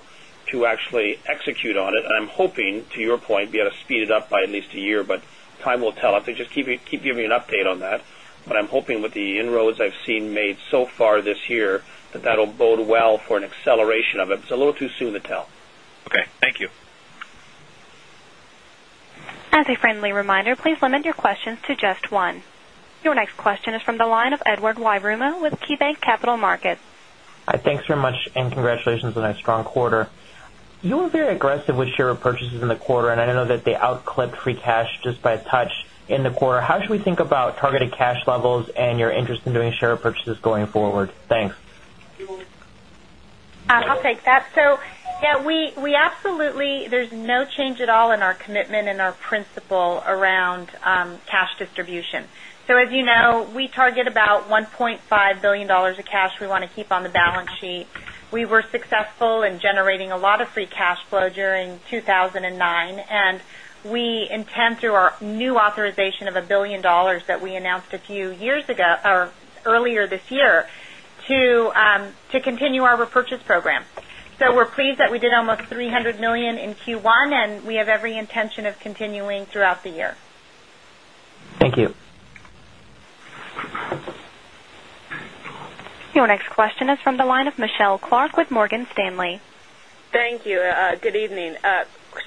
to actually execute on it. And I'm hoping to your point be able to speed it up by at least a year, but time will tell if they just keep giving you an update on that. But I'm hoping with the inroads I've seen made so far this year that will bode well for an acceleration of it. It's a little too soon to tell. Okay. Thank you. Your next question is from the line of Edward Yruma with KeyBanc Capital Markets. Hi, thanks very much and congratulations on a strong quarter. You were very aggressive with share repurchases in the quarter and I don't know that they out clipped free cash just by a touch in the quarter. How should we think about targeted cash levels and your interest in doing share repurchases going forward? Thanks. I'll take that. So, yes, we absolutely there's no change at all in our commitment and our principle around cash distribution. So as you know, we target about $1,500,000,000 of cash we want to keep on the balance sheet. We were successful in generating a lot of free cash flow during 2,009 and we intend through our new authorization of $1,000,000,000 that we announced a few years ago or earlier this year continue our repurchase program. So we're pleased that we did almost $300,000,000 in Q1 and we have every intention of continuing throughout the year. Thank you. Your next question is from the line of Michelle Clark with Morgan Stanley. Thank you. Good evening.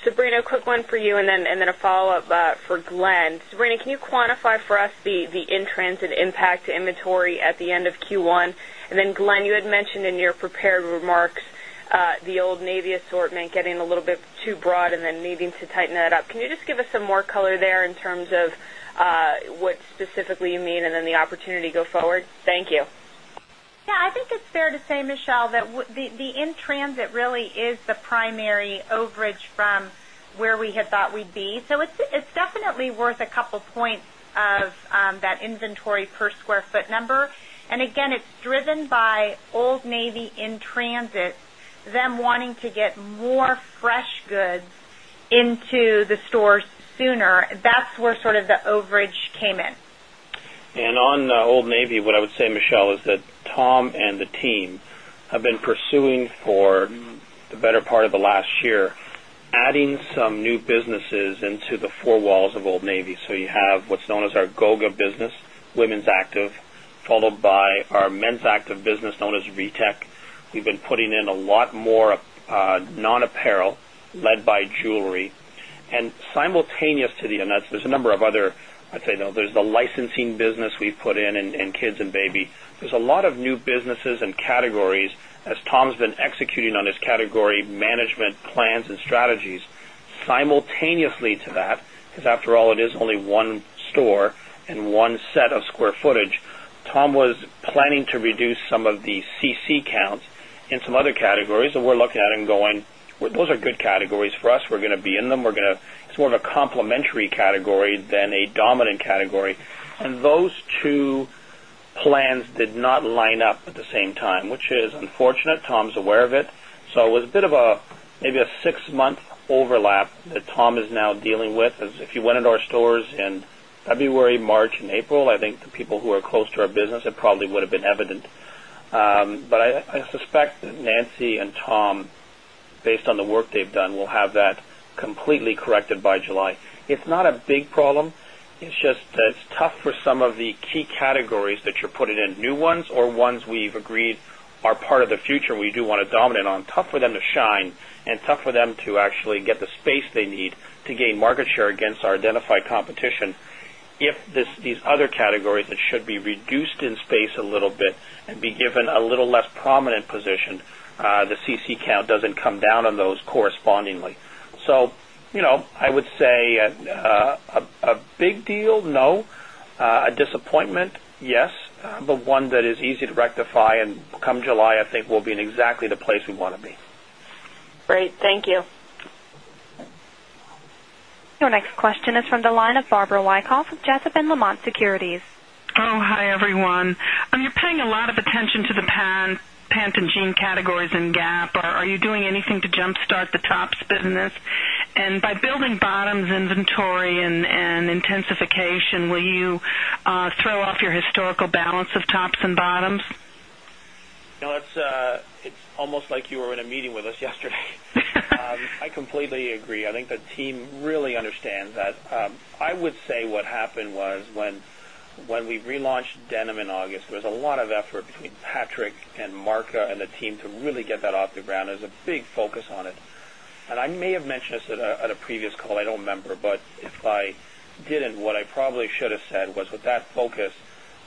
Sabrina, quick one for you and then a follow-up for Glenn. Sabrina, can you quantify for us the in transit impact to inventory at the end of Q1? And then Glenn, you had mentioned in your prepared remarks the Old Navy assortment getting a little bit too broad and then needing to tighten that up. Can you just give us some more color there in terms of what specifically you mean and then the opportunity go forward? Thank you. Yes. I think it's fair to say, Michelle, that the in transit really is the primary overage from where we had thought we'd be. So it's definitely worth a couple of points of that inventory per square foot number. And again, it's driven by Old Navy in transit, them wanting to get more fresh goods into the stores sooner. That's where sort of the overage came in. And on Old Navy, what I would say, Michelle, is that Tom and the team have been pursuing for the better part of the last year adding some new businesses into the four walls of Old Navy. So you have what's known as our Goga business, women's active, followed by our men's active business known as VTech. We've been putting in a lot more non apparel led by jewelry. And simultaneous to the and that's there's a number of other, say, there's the licensing business we've put in and kids and baby. There's a lot of new businesses and categories as Tom has been executing on his category management plans and strategies simultaneously to that, because after all it is only one store and one set of square footage, Tom was planning to reduce some of the CC counts in some other categories, and we're looking at and going, those are good categories for us, we're going to be in them, we're going to it's more of a complementary category than a dominant category. And those a complementary category than a dominant category. And those 2 plans did not line up at the same time, which is unfortunate. Tom is aware of it. So it was a bit of a maybe a 6 month overlap that Tom is now dealing with. If you went into our stores in February, March April, I think the people who are close to our business, it probably would have been evident. But I suspect that Nancy and Tom, based on the work they've done, we'll have that completely corrected by July. It's not a big problem. It's just that it's tough for some of the key categories that you're putting in new ones or ones we've agreed are part of the future we do want to dominant on, tough for them to shine and tough for them to actually get the space they need to gain market share against our identified competition. If these other categories that should be reduced in space a little bit and be a little less prominent position, the CC count doesn't come down on those correspondingly. So I would say a big deal, no. A disappointment, yes, but one that is easy to rectify and come July I think we'll be in exactly the place we want to be. Great, thank you. Your next question is from the line of Barbara Wyckoff of Jessup and Lamont Securities. Hi, everyone. You're paying a lot of attention to the pants and jean categories in Gap. Are you doing anything to jump start the tops business? And by building bottoms inventory and intensification, will you throw off your historical balance of tops and bottoms? No, it's a happened was when we relaunched denim in August, there was a lot of effort between Patrick and Mark and the team to really get that off the ground. There's a big focus on it. And I may have mentioned this at a previous call, I don't remember, but if I didn't, what I probably should have said was with that focus,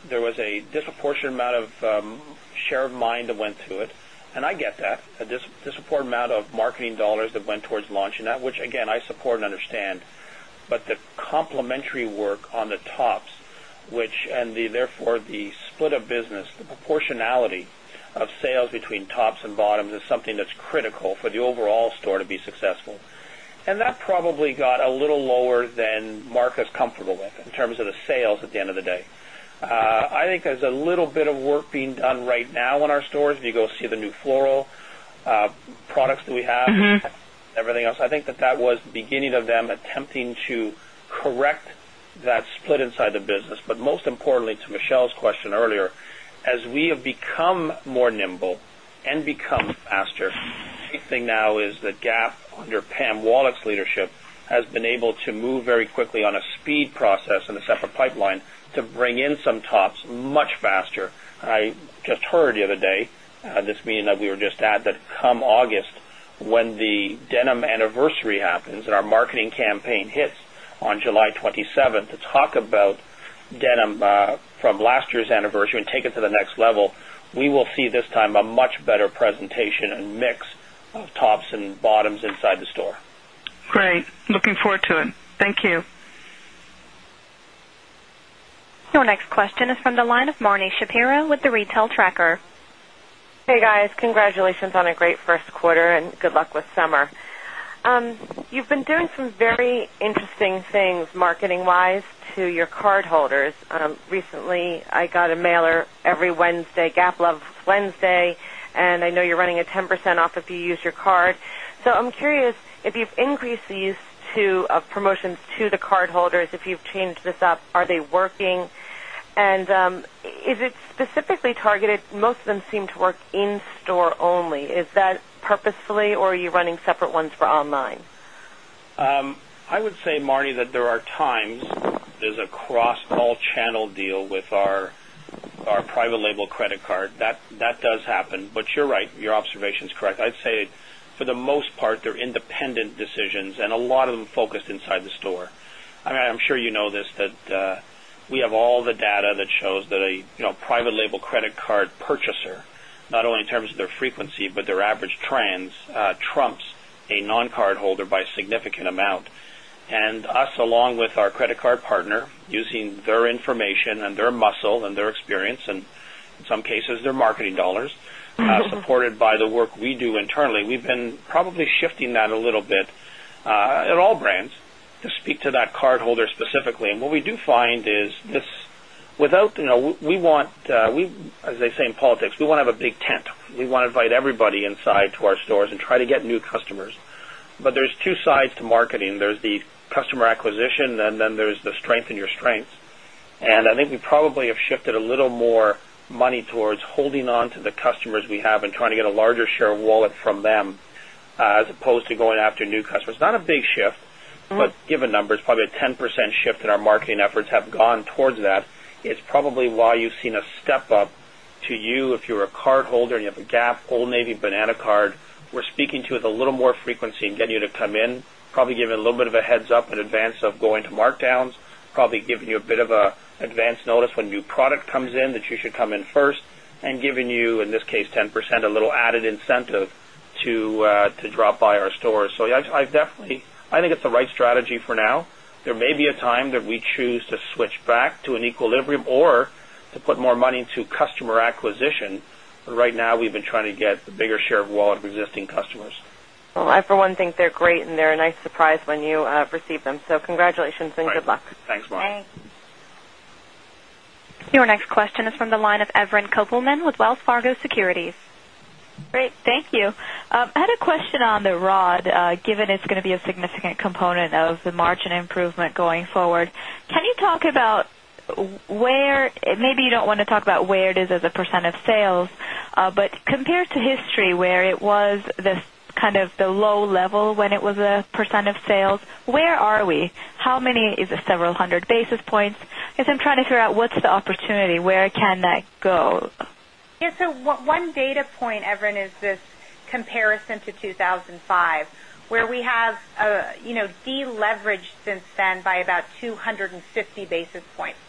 there was a disproportionate amount of share of mind that went through it and I get that, a disproportionate amount of marketing dollars that went towards launching that, which again I support and understand. But the complementary work on the tops, which and therefore the split of business, the proportionality of sales between tops and the split of business, the proportionality of sales between tops and bottoms is something that's critical for the overall store to be successful. And that probably got a little lower than Mark is comfortable with in terms of the sales at the end of the day. I think there's a little bit of work being done right now. At the end of the day. I think there's a little bit of work being done right now in our stores. We go see the new floral products that we have, everything else. I think that that was the beginning of them attempting to correct that split inside the business. But most importantly to Michelle's question earlier, as we have become more nimble and become faster, the big thing now is the gap under Pam Wallach's leadership has been able to move very quickly on a speed process in a process in a separate pipeline to bring in some tops much faster. I just heard the other day this mean that we were just add that come August when the denim anniversary happens and our marketing campaign hits on July 27 to talk about denim from last year's anniversary and take it to the next level, we will see this time a much better presentation and mix of tops and bottoms inside the store. Great. Looking forward to it. Thank you. Your next question is from the line of Marni Shapiro with The Retail Tracker. Hey, guys. Congratulations on a great Q1 and good luck with summer. You've been doing some very interesting things marketing wise to your cardholders. Recently, I got a mailer every Wednesday, Gap Love Wednesday, and I know you're running a 10% off if you use your card. So I'm curious if you've increased these to promotions to the cardholders, if you've changed this up, are they working? And is it specifically targeted, most of them seem to work in store only, is that purposefully or are you running separate ones for online? I would say, Marni, that there are times there's a cross all channel deal with our private label credit card. That does happen. But you're right, your observation is correct. I'd say for the most part they're independent decisions and a lot of them focused inside the store. I mean, I'm sure you know this that we have all the data that shows that a private label credit card purchaser, not only in terms of their frequency, but their average trends, trumps a non cardholder by a significant amount. And us, along with our credit card partner, using their information and their muscle and their experience and in some cases their marketing dollars, supported by the work we do internally. We've been probably shifting that a little bit at all brands to speak to that cardholder specifically. And what we do find is this without we want we as I say in politics, we want to have a big tent. We want to invite everybody inside to our stores and try to get new customers. But there's two sides to marketing. There's the customer acquisition and then there's the strength in your strengths. And I think we probably have shifted a little more money towards holding on to the customers we have and trying to get a larger share of wallet from them as opposed to going after new customers. It's not a big shift, but given numbers, probably a 10% shift in our marketing efforts have gone towards that. It's probably why you've seen a step up to you if you're a cardholder and you have a Gap Old Navy Banana Card, we're speaking to you with a little more frequency and getting you to come in, probably give a little bit of a heads up in advance of going to markdowns, probably giving you a bit of an advance notice when new product comes in that you should come in first and giving you in this case 10% a little added incentive to drop by our stores. So I definitely I think it's the right strategy for now. There may be a time that we choose to switch back to an equilibrium or to put more money into customer acquisition. But right now, we've been trying to get the bigger share of wallet of existing customers. Well, I for one thing they're great and they're a nice surprise when you receive them. So congratulations and good luck. Thanks, Mark. Next question is from the line of Evren Kopelman with Wells Fargo Securities. Great. Thank you. I had a question on the rod, given it's going to be a significant component of the margin improvement going forward. Can you talk about where maybe you don't want to talk about where it is as a percent of sales, but compared to history where it was this kind of the low level when it was a percent of sales, where are we? How many is it several 100 basis points? I guess I'm trying to figure out what's the opportunity? Where can that go? Yes. So one data point, Evren, is this comparison to 2,005, where we have deleveraged since then by about 250 basis points.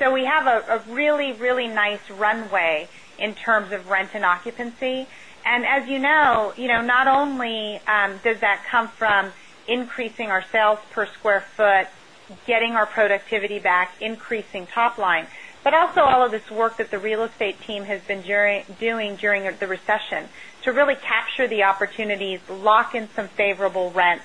So we have a really, really nice runway in terms of rent and occupancy. And as you know, not only does that come from increasing our sales per square foot, getting our productivity back, increasing top line, but also all of this work that the real estate team has been doing during the recession to really capture the opportunities, lock in some favorable rents,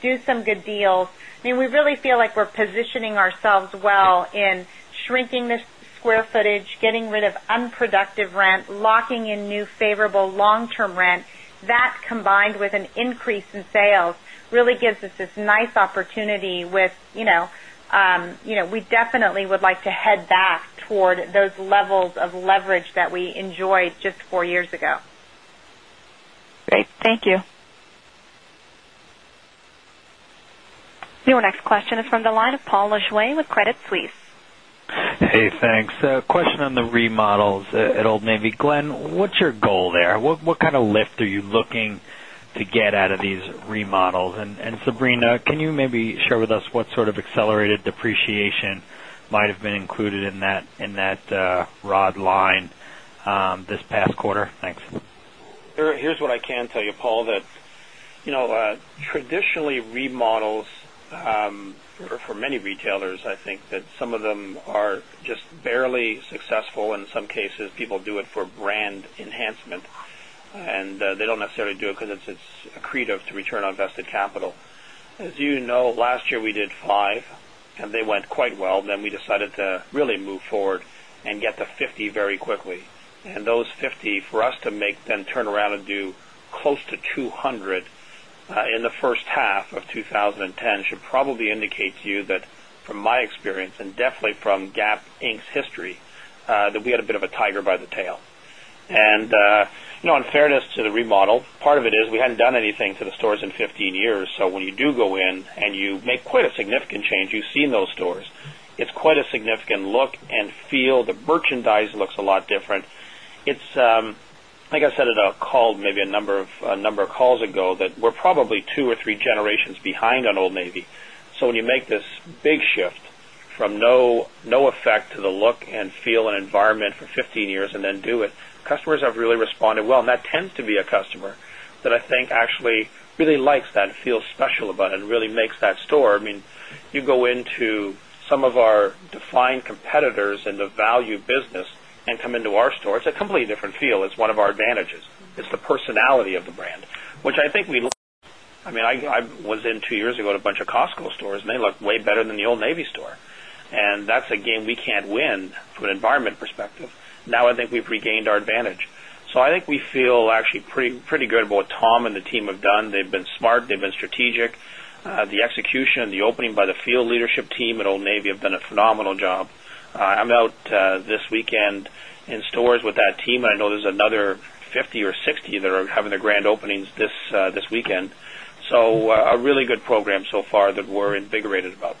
do some good deals. I mean, we really feel like we're positioning ourselves well in shrinking the square footage, getting rid of unproductive rent, locking in new favorable long term rent. That combined with an increase in sales really gives us this nice opportunity with we definitely would like to head back toward those levels of leverage that we enjoyed just 4 years ago. Great. Thank you. Your next question is from the line of Paul Lejuez with Credit Suisse. Hey, thanks. A question on the remodels at Old Navy. Glenn, what's your goal there? What kind of lift are you looking to get out of these remodels? And Sabrina, can you maybe share with us what sort of accelerated depreciation might have been included in that rod line this past quarter? Thanks. Here's what I can tell you, Paul, that traditionally remodels for many retailers, I think that some of them are just barely successful. In some cases, people do it for brand enhancement and they don't necessarily do it because it's accretive to return on invested capital. As you know, last year we did 5 and they went quite well. Then we decided to really move forward and get to 50 very quickly. And those 50 for us to make them turn around and do close to 200 in the first half of twenty ten should probably indicate to you that from my experience and definitely from Gap Inc. History that we had a bit of a tiger by the tail. And in fairness to the remodel, part of it is we hadn't done anything to the stores in 15 years. So when you do go in and you make quite a significant change, you see in those stores, it's quite a significant look and feel. The merchandise looks a lot different. It's like I said in a call maybe a number of calls ago that we're probably 2 or 3 generations behind on Old Navy. So when you make this big shift from no effect to the look and feel and environment for 15 years and then do it, customers have really completely different feel, it's one of our advantages. It's the person come into our store, it's a completely different feel, it's one of our advantages. It's the personality of the brand, which I think we look at. I mean I was in 2 years ago at a bunch of Costco stores and they look way better than the Old Navy store. And that's a game we can't win from an environment perspective. Now I think we've regained our advantage. So I think we feel actually pretty good about what Tom and the team have done. They've been smart, they've been strategic. The execution and the opening by the field leadership team at Old Navy have done a phenomenal job. I'm out this weekend in stores with that team. I know there's another 50 or 60 that are having the grand openings this weekend. So a really good program so far that we're invigorated about.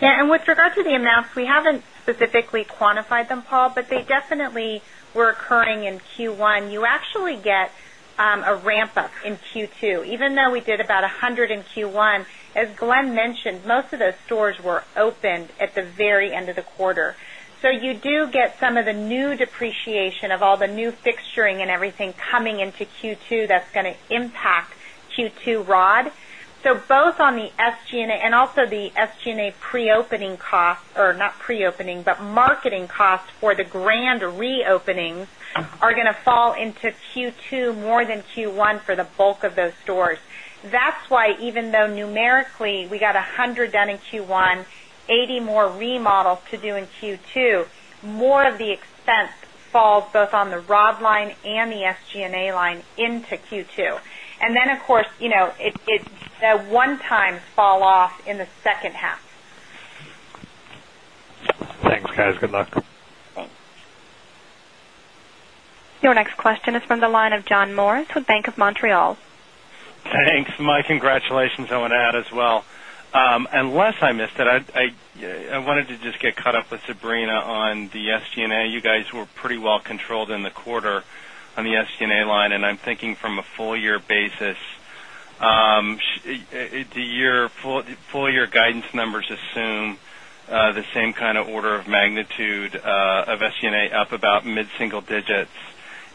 Yes. And with regard to the amounts, we haven't specifically quantified them, Paul, but they definitely were occurring in Q1. You actually get a ramp up in Q2. Even though we did about 100 in Q1, as Glenn mentioned, most of those stores were opened at the very end of the quarter. So you do get some of the new depreciation of all the new fixturing and everything coming into Q2 that's going to impact Q2 Rod. So both on the SG and A and also the SG and A preopening costs or not preopening, but marketing costs for the grand reopening are going to fall into Q2 more than Q1 for the bulk of those stores. That's why even though numerically we got 100 done in Q1, 80 more remodels to do in Q2, more of the expense falls both on the rod line and the SG and A line into Q2. And then of course, it's a one time fall off in the second half. Thanks guys. Good luck. Your next question is from the line of John Morris with Bank of Montreal. Thanks. My congratulations, I want to add as well. Unless I missed it, I wanted to just get caught up with Sabrina on the SG and A. You guys were pretty well controlled in the quarter on the SG and A line. And I'm thinking from a full year basis, the full year guidance numbers assume the same kind of order of magnitude of SG and A up about mid single digits.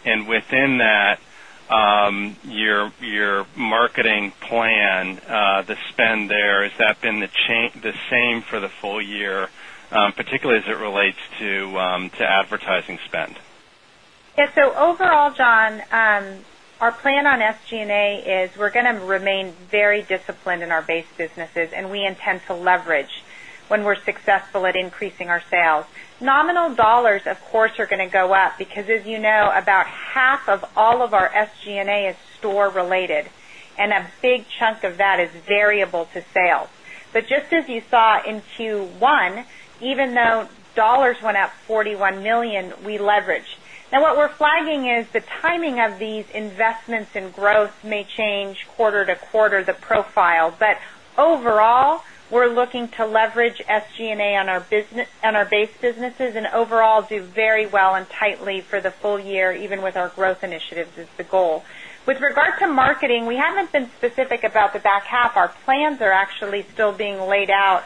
And within that, your marketing plan, the spend there, has that been the same for the full year, particularly as it relates to advertising spend? Yes. So overall, John, our plan on SG and A is we're going to remain very disciplined in our base businesses and we intend to leverage when we're successful at increasing our sales. Nominal dollars, of course, are going to go up because as you know, about half of all of our SG and A is store related and a big chunk of that is variable to sales. But just as you saw in Q1, even though dollars went up $41,000,000 we leveraged. Now what we're flagging is the timing of these investments in growth may change quarter to quarter the profile. But overall, we're looking to leverage SG and A on our base businesses and overall do very well and tightly for the full year even with our growth initiatives is the goal. With regard to marketing, we haven't been specific about the back half. Our plans are actually still being laid out,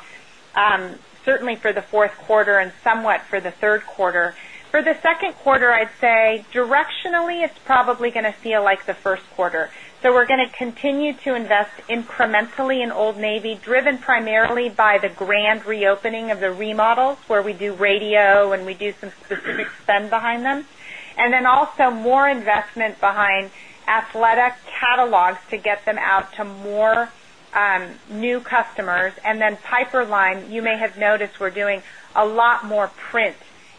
certainly for the Q4 and somewhat for the Q3. For the Q2, I'd say, directionally, it's probably going to feel like the first quarter. So we're going to continue to invest incrementally in Old Navy, driven primarily by the grand reopening of the remodels, where we do radio and we do some specific spend behind them. And then also more investment behind athletic catalogs to get them out to more new customers, new customers. And then Piperline, you may have noticed we're doing a lot more print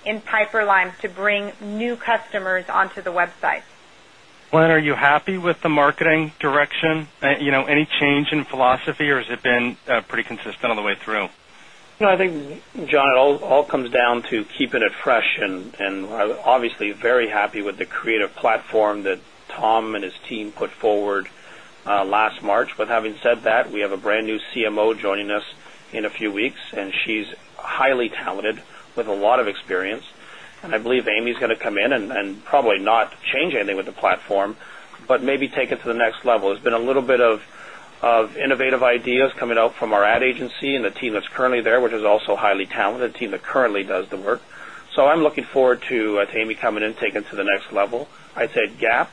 in Piperline to bring new customers onto the website. Glenn, are you happy with the marketing direction? Any change in philosophy or has it been pretty consistent all the way through? No, I think, John, it all comes down to keep it fresh and obviously very happy with the creative platform that Tom and his team put forward last March. But having said that, we have a brand new CMO joining us in a few weeks and she's highly talented with a lot of experience. And I believe Amy is going to come in and probably not change anything with the platform, but maybe take it to the next level. There has been a little bit of innovative ideas coming out from our ad agency and the team that's currently there, which is also highly talented, the team that currently does the work. So I'm looking forward to Amy coming in and taking to the next level. I'd say GAAP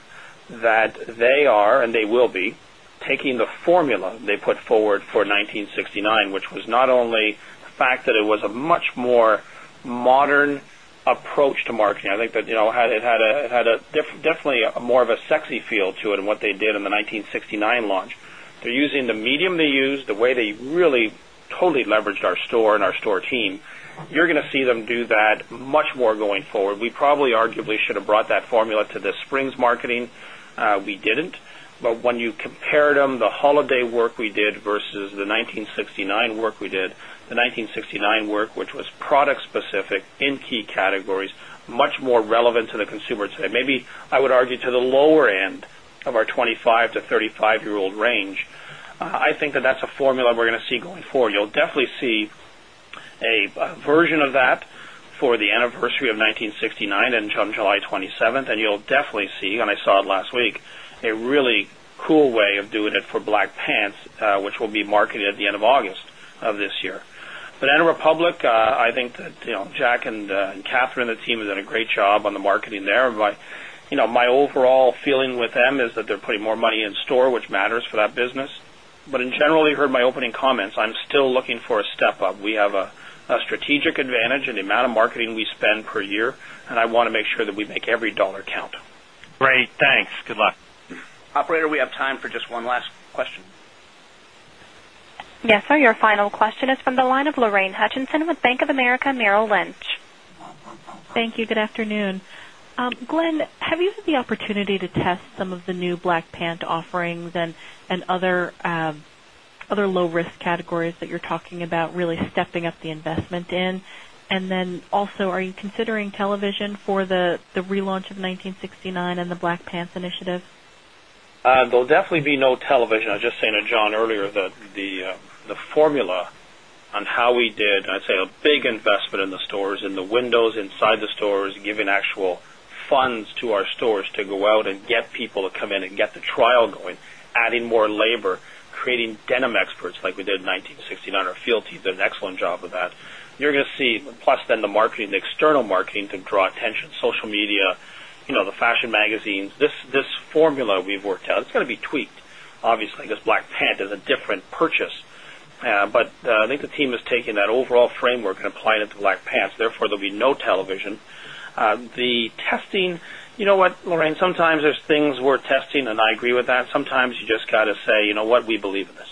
that they are and they will be taking the formula they put forward for 1969, which was not only the fact that it was a much more modern approach to marketing. I think that it had a definitely more of a sexy feel to it and what they did in the 1969 launch. They're using the medium they use, the way they really totally leveraged our store and our store team, you're going to see them do that much more going forward. We probably arguably should have brought that formula to the Springs marketing, we didn't. But when you compare them, the holiday work we did versus the 19 69 work we did, the 1969 work which was product specific in key categories, much more relevant to the consumer today, maybe I would argue to the lower end of our 25 to 35 year old range. I think that that's a formula we're going see going forward. You'll definitely see a version of that for the anniversary of 1969 and on July 27, and you'll definitely see, and I saw it last week, a really cool way of doing it for black pants, which will be marketed at the end of August of this year. But in Republic, I think that Jack and Catherine and the team has done a great job on the marketing there. My overall feeling with them is that they're putting more money in store, which matters for that business. But in general, you heard my opening comments, I'm still looking for a step up. We have a strategic advantage in the amount of marketing we spend per year, and I want to make sure that we make every dollar count. Great. Thanks. Good luck. Operator, we have time for just one last question. Yes, sir. Your final question is from the line of Lorraine Hutchinson with Bank of America Merrill Lynch. Thank you. Good afternoon. Glenn, have you had the opportunity to test some of the new black pant offerings and other low risk categories that you're talking about really stepping up the investment in? And then also are you considering television for the relaunch of 1969 and the Black Pants initiative? There will definitely be no television. I was just saying to John earlier that the formula on how we did, I'd say a big investment in the stores, in the windows inside the stores, giving actual funds to our stores to go out and get people to come in and get the trial going, adding more labor, creating denim experts like we did in 1969. Our field team did an excellent job of that. You're going to see plus then the marketing, the external marketing to draw attention, social media, the fashion magazines, this formula we've worked out, it's going to be tweaked. Obviously, this black pant is a different purchase. But I think the team has taken that overall framework and applied it to black pants, therefore there will be no television. The testing, you know what Lorraine, sometimes there's things we're testing and I agree with that, sometimes you just got to say what we believe in this.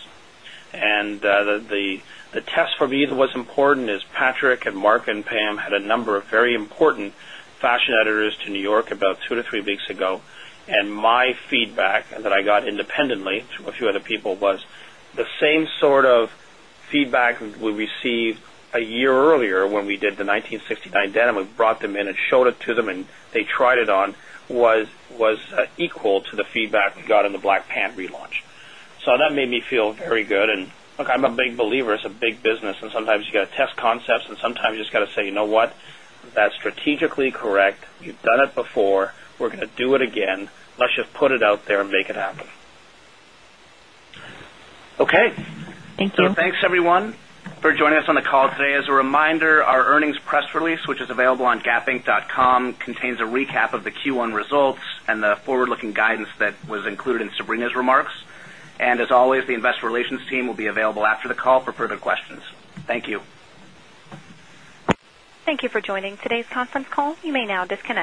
And the test for me that was important is Patrick and Mark and Pam had a number of very important fashion editors to New York about 2 to 3 weeks ago, And my feedback that I got independently to a few other people was the same sort of feedback we received a year earlier when we did the 1969 denim, we brought them in and showed it to them and they tried it on was equal to the feedback we got in the Black Panther relaunch. So that made me feel very good. And look, I'm a big believer it's a big business and sometimes you got to test concepts and sometimes you just got to say, you know what, that's strategically correct, you've done it before, we're going to do it again, Let's just put it out there and make it happen. Okay. Thank you. Thanks everyone for joining us on the call today. As a reminder, our earnings press release which is available on gapinc.com contains a recap of the Q1 Q1 results and the forward looking guidance that was included in Sabrina's remarks. And as always, the Investor Relations team will be available after the call for further questions. Thank you. Thank you for joining today's conference call. You may now disconnect.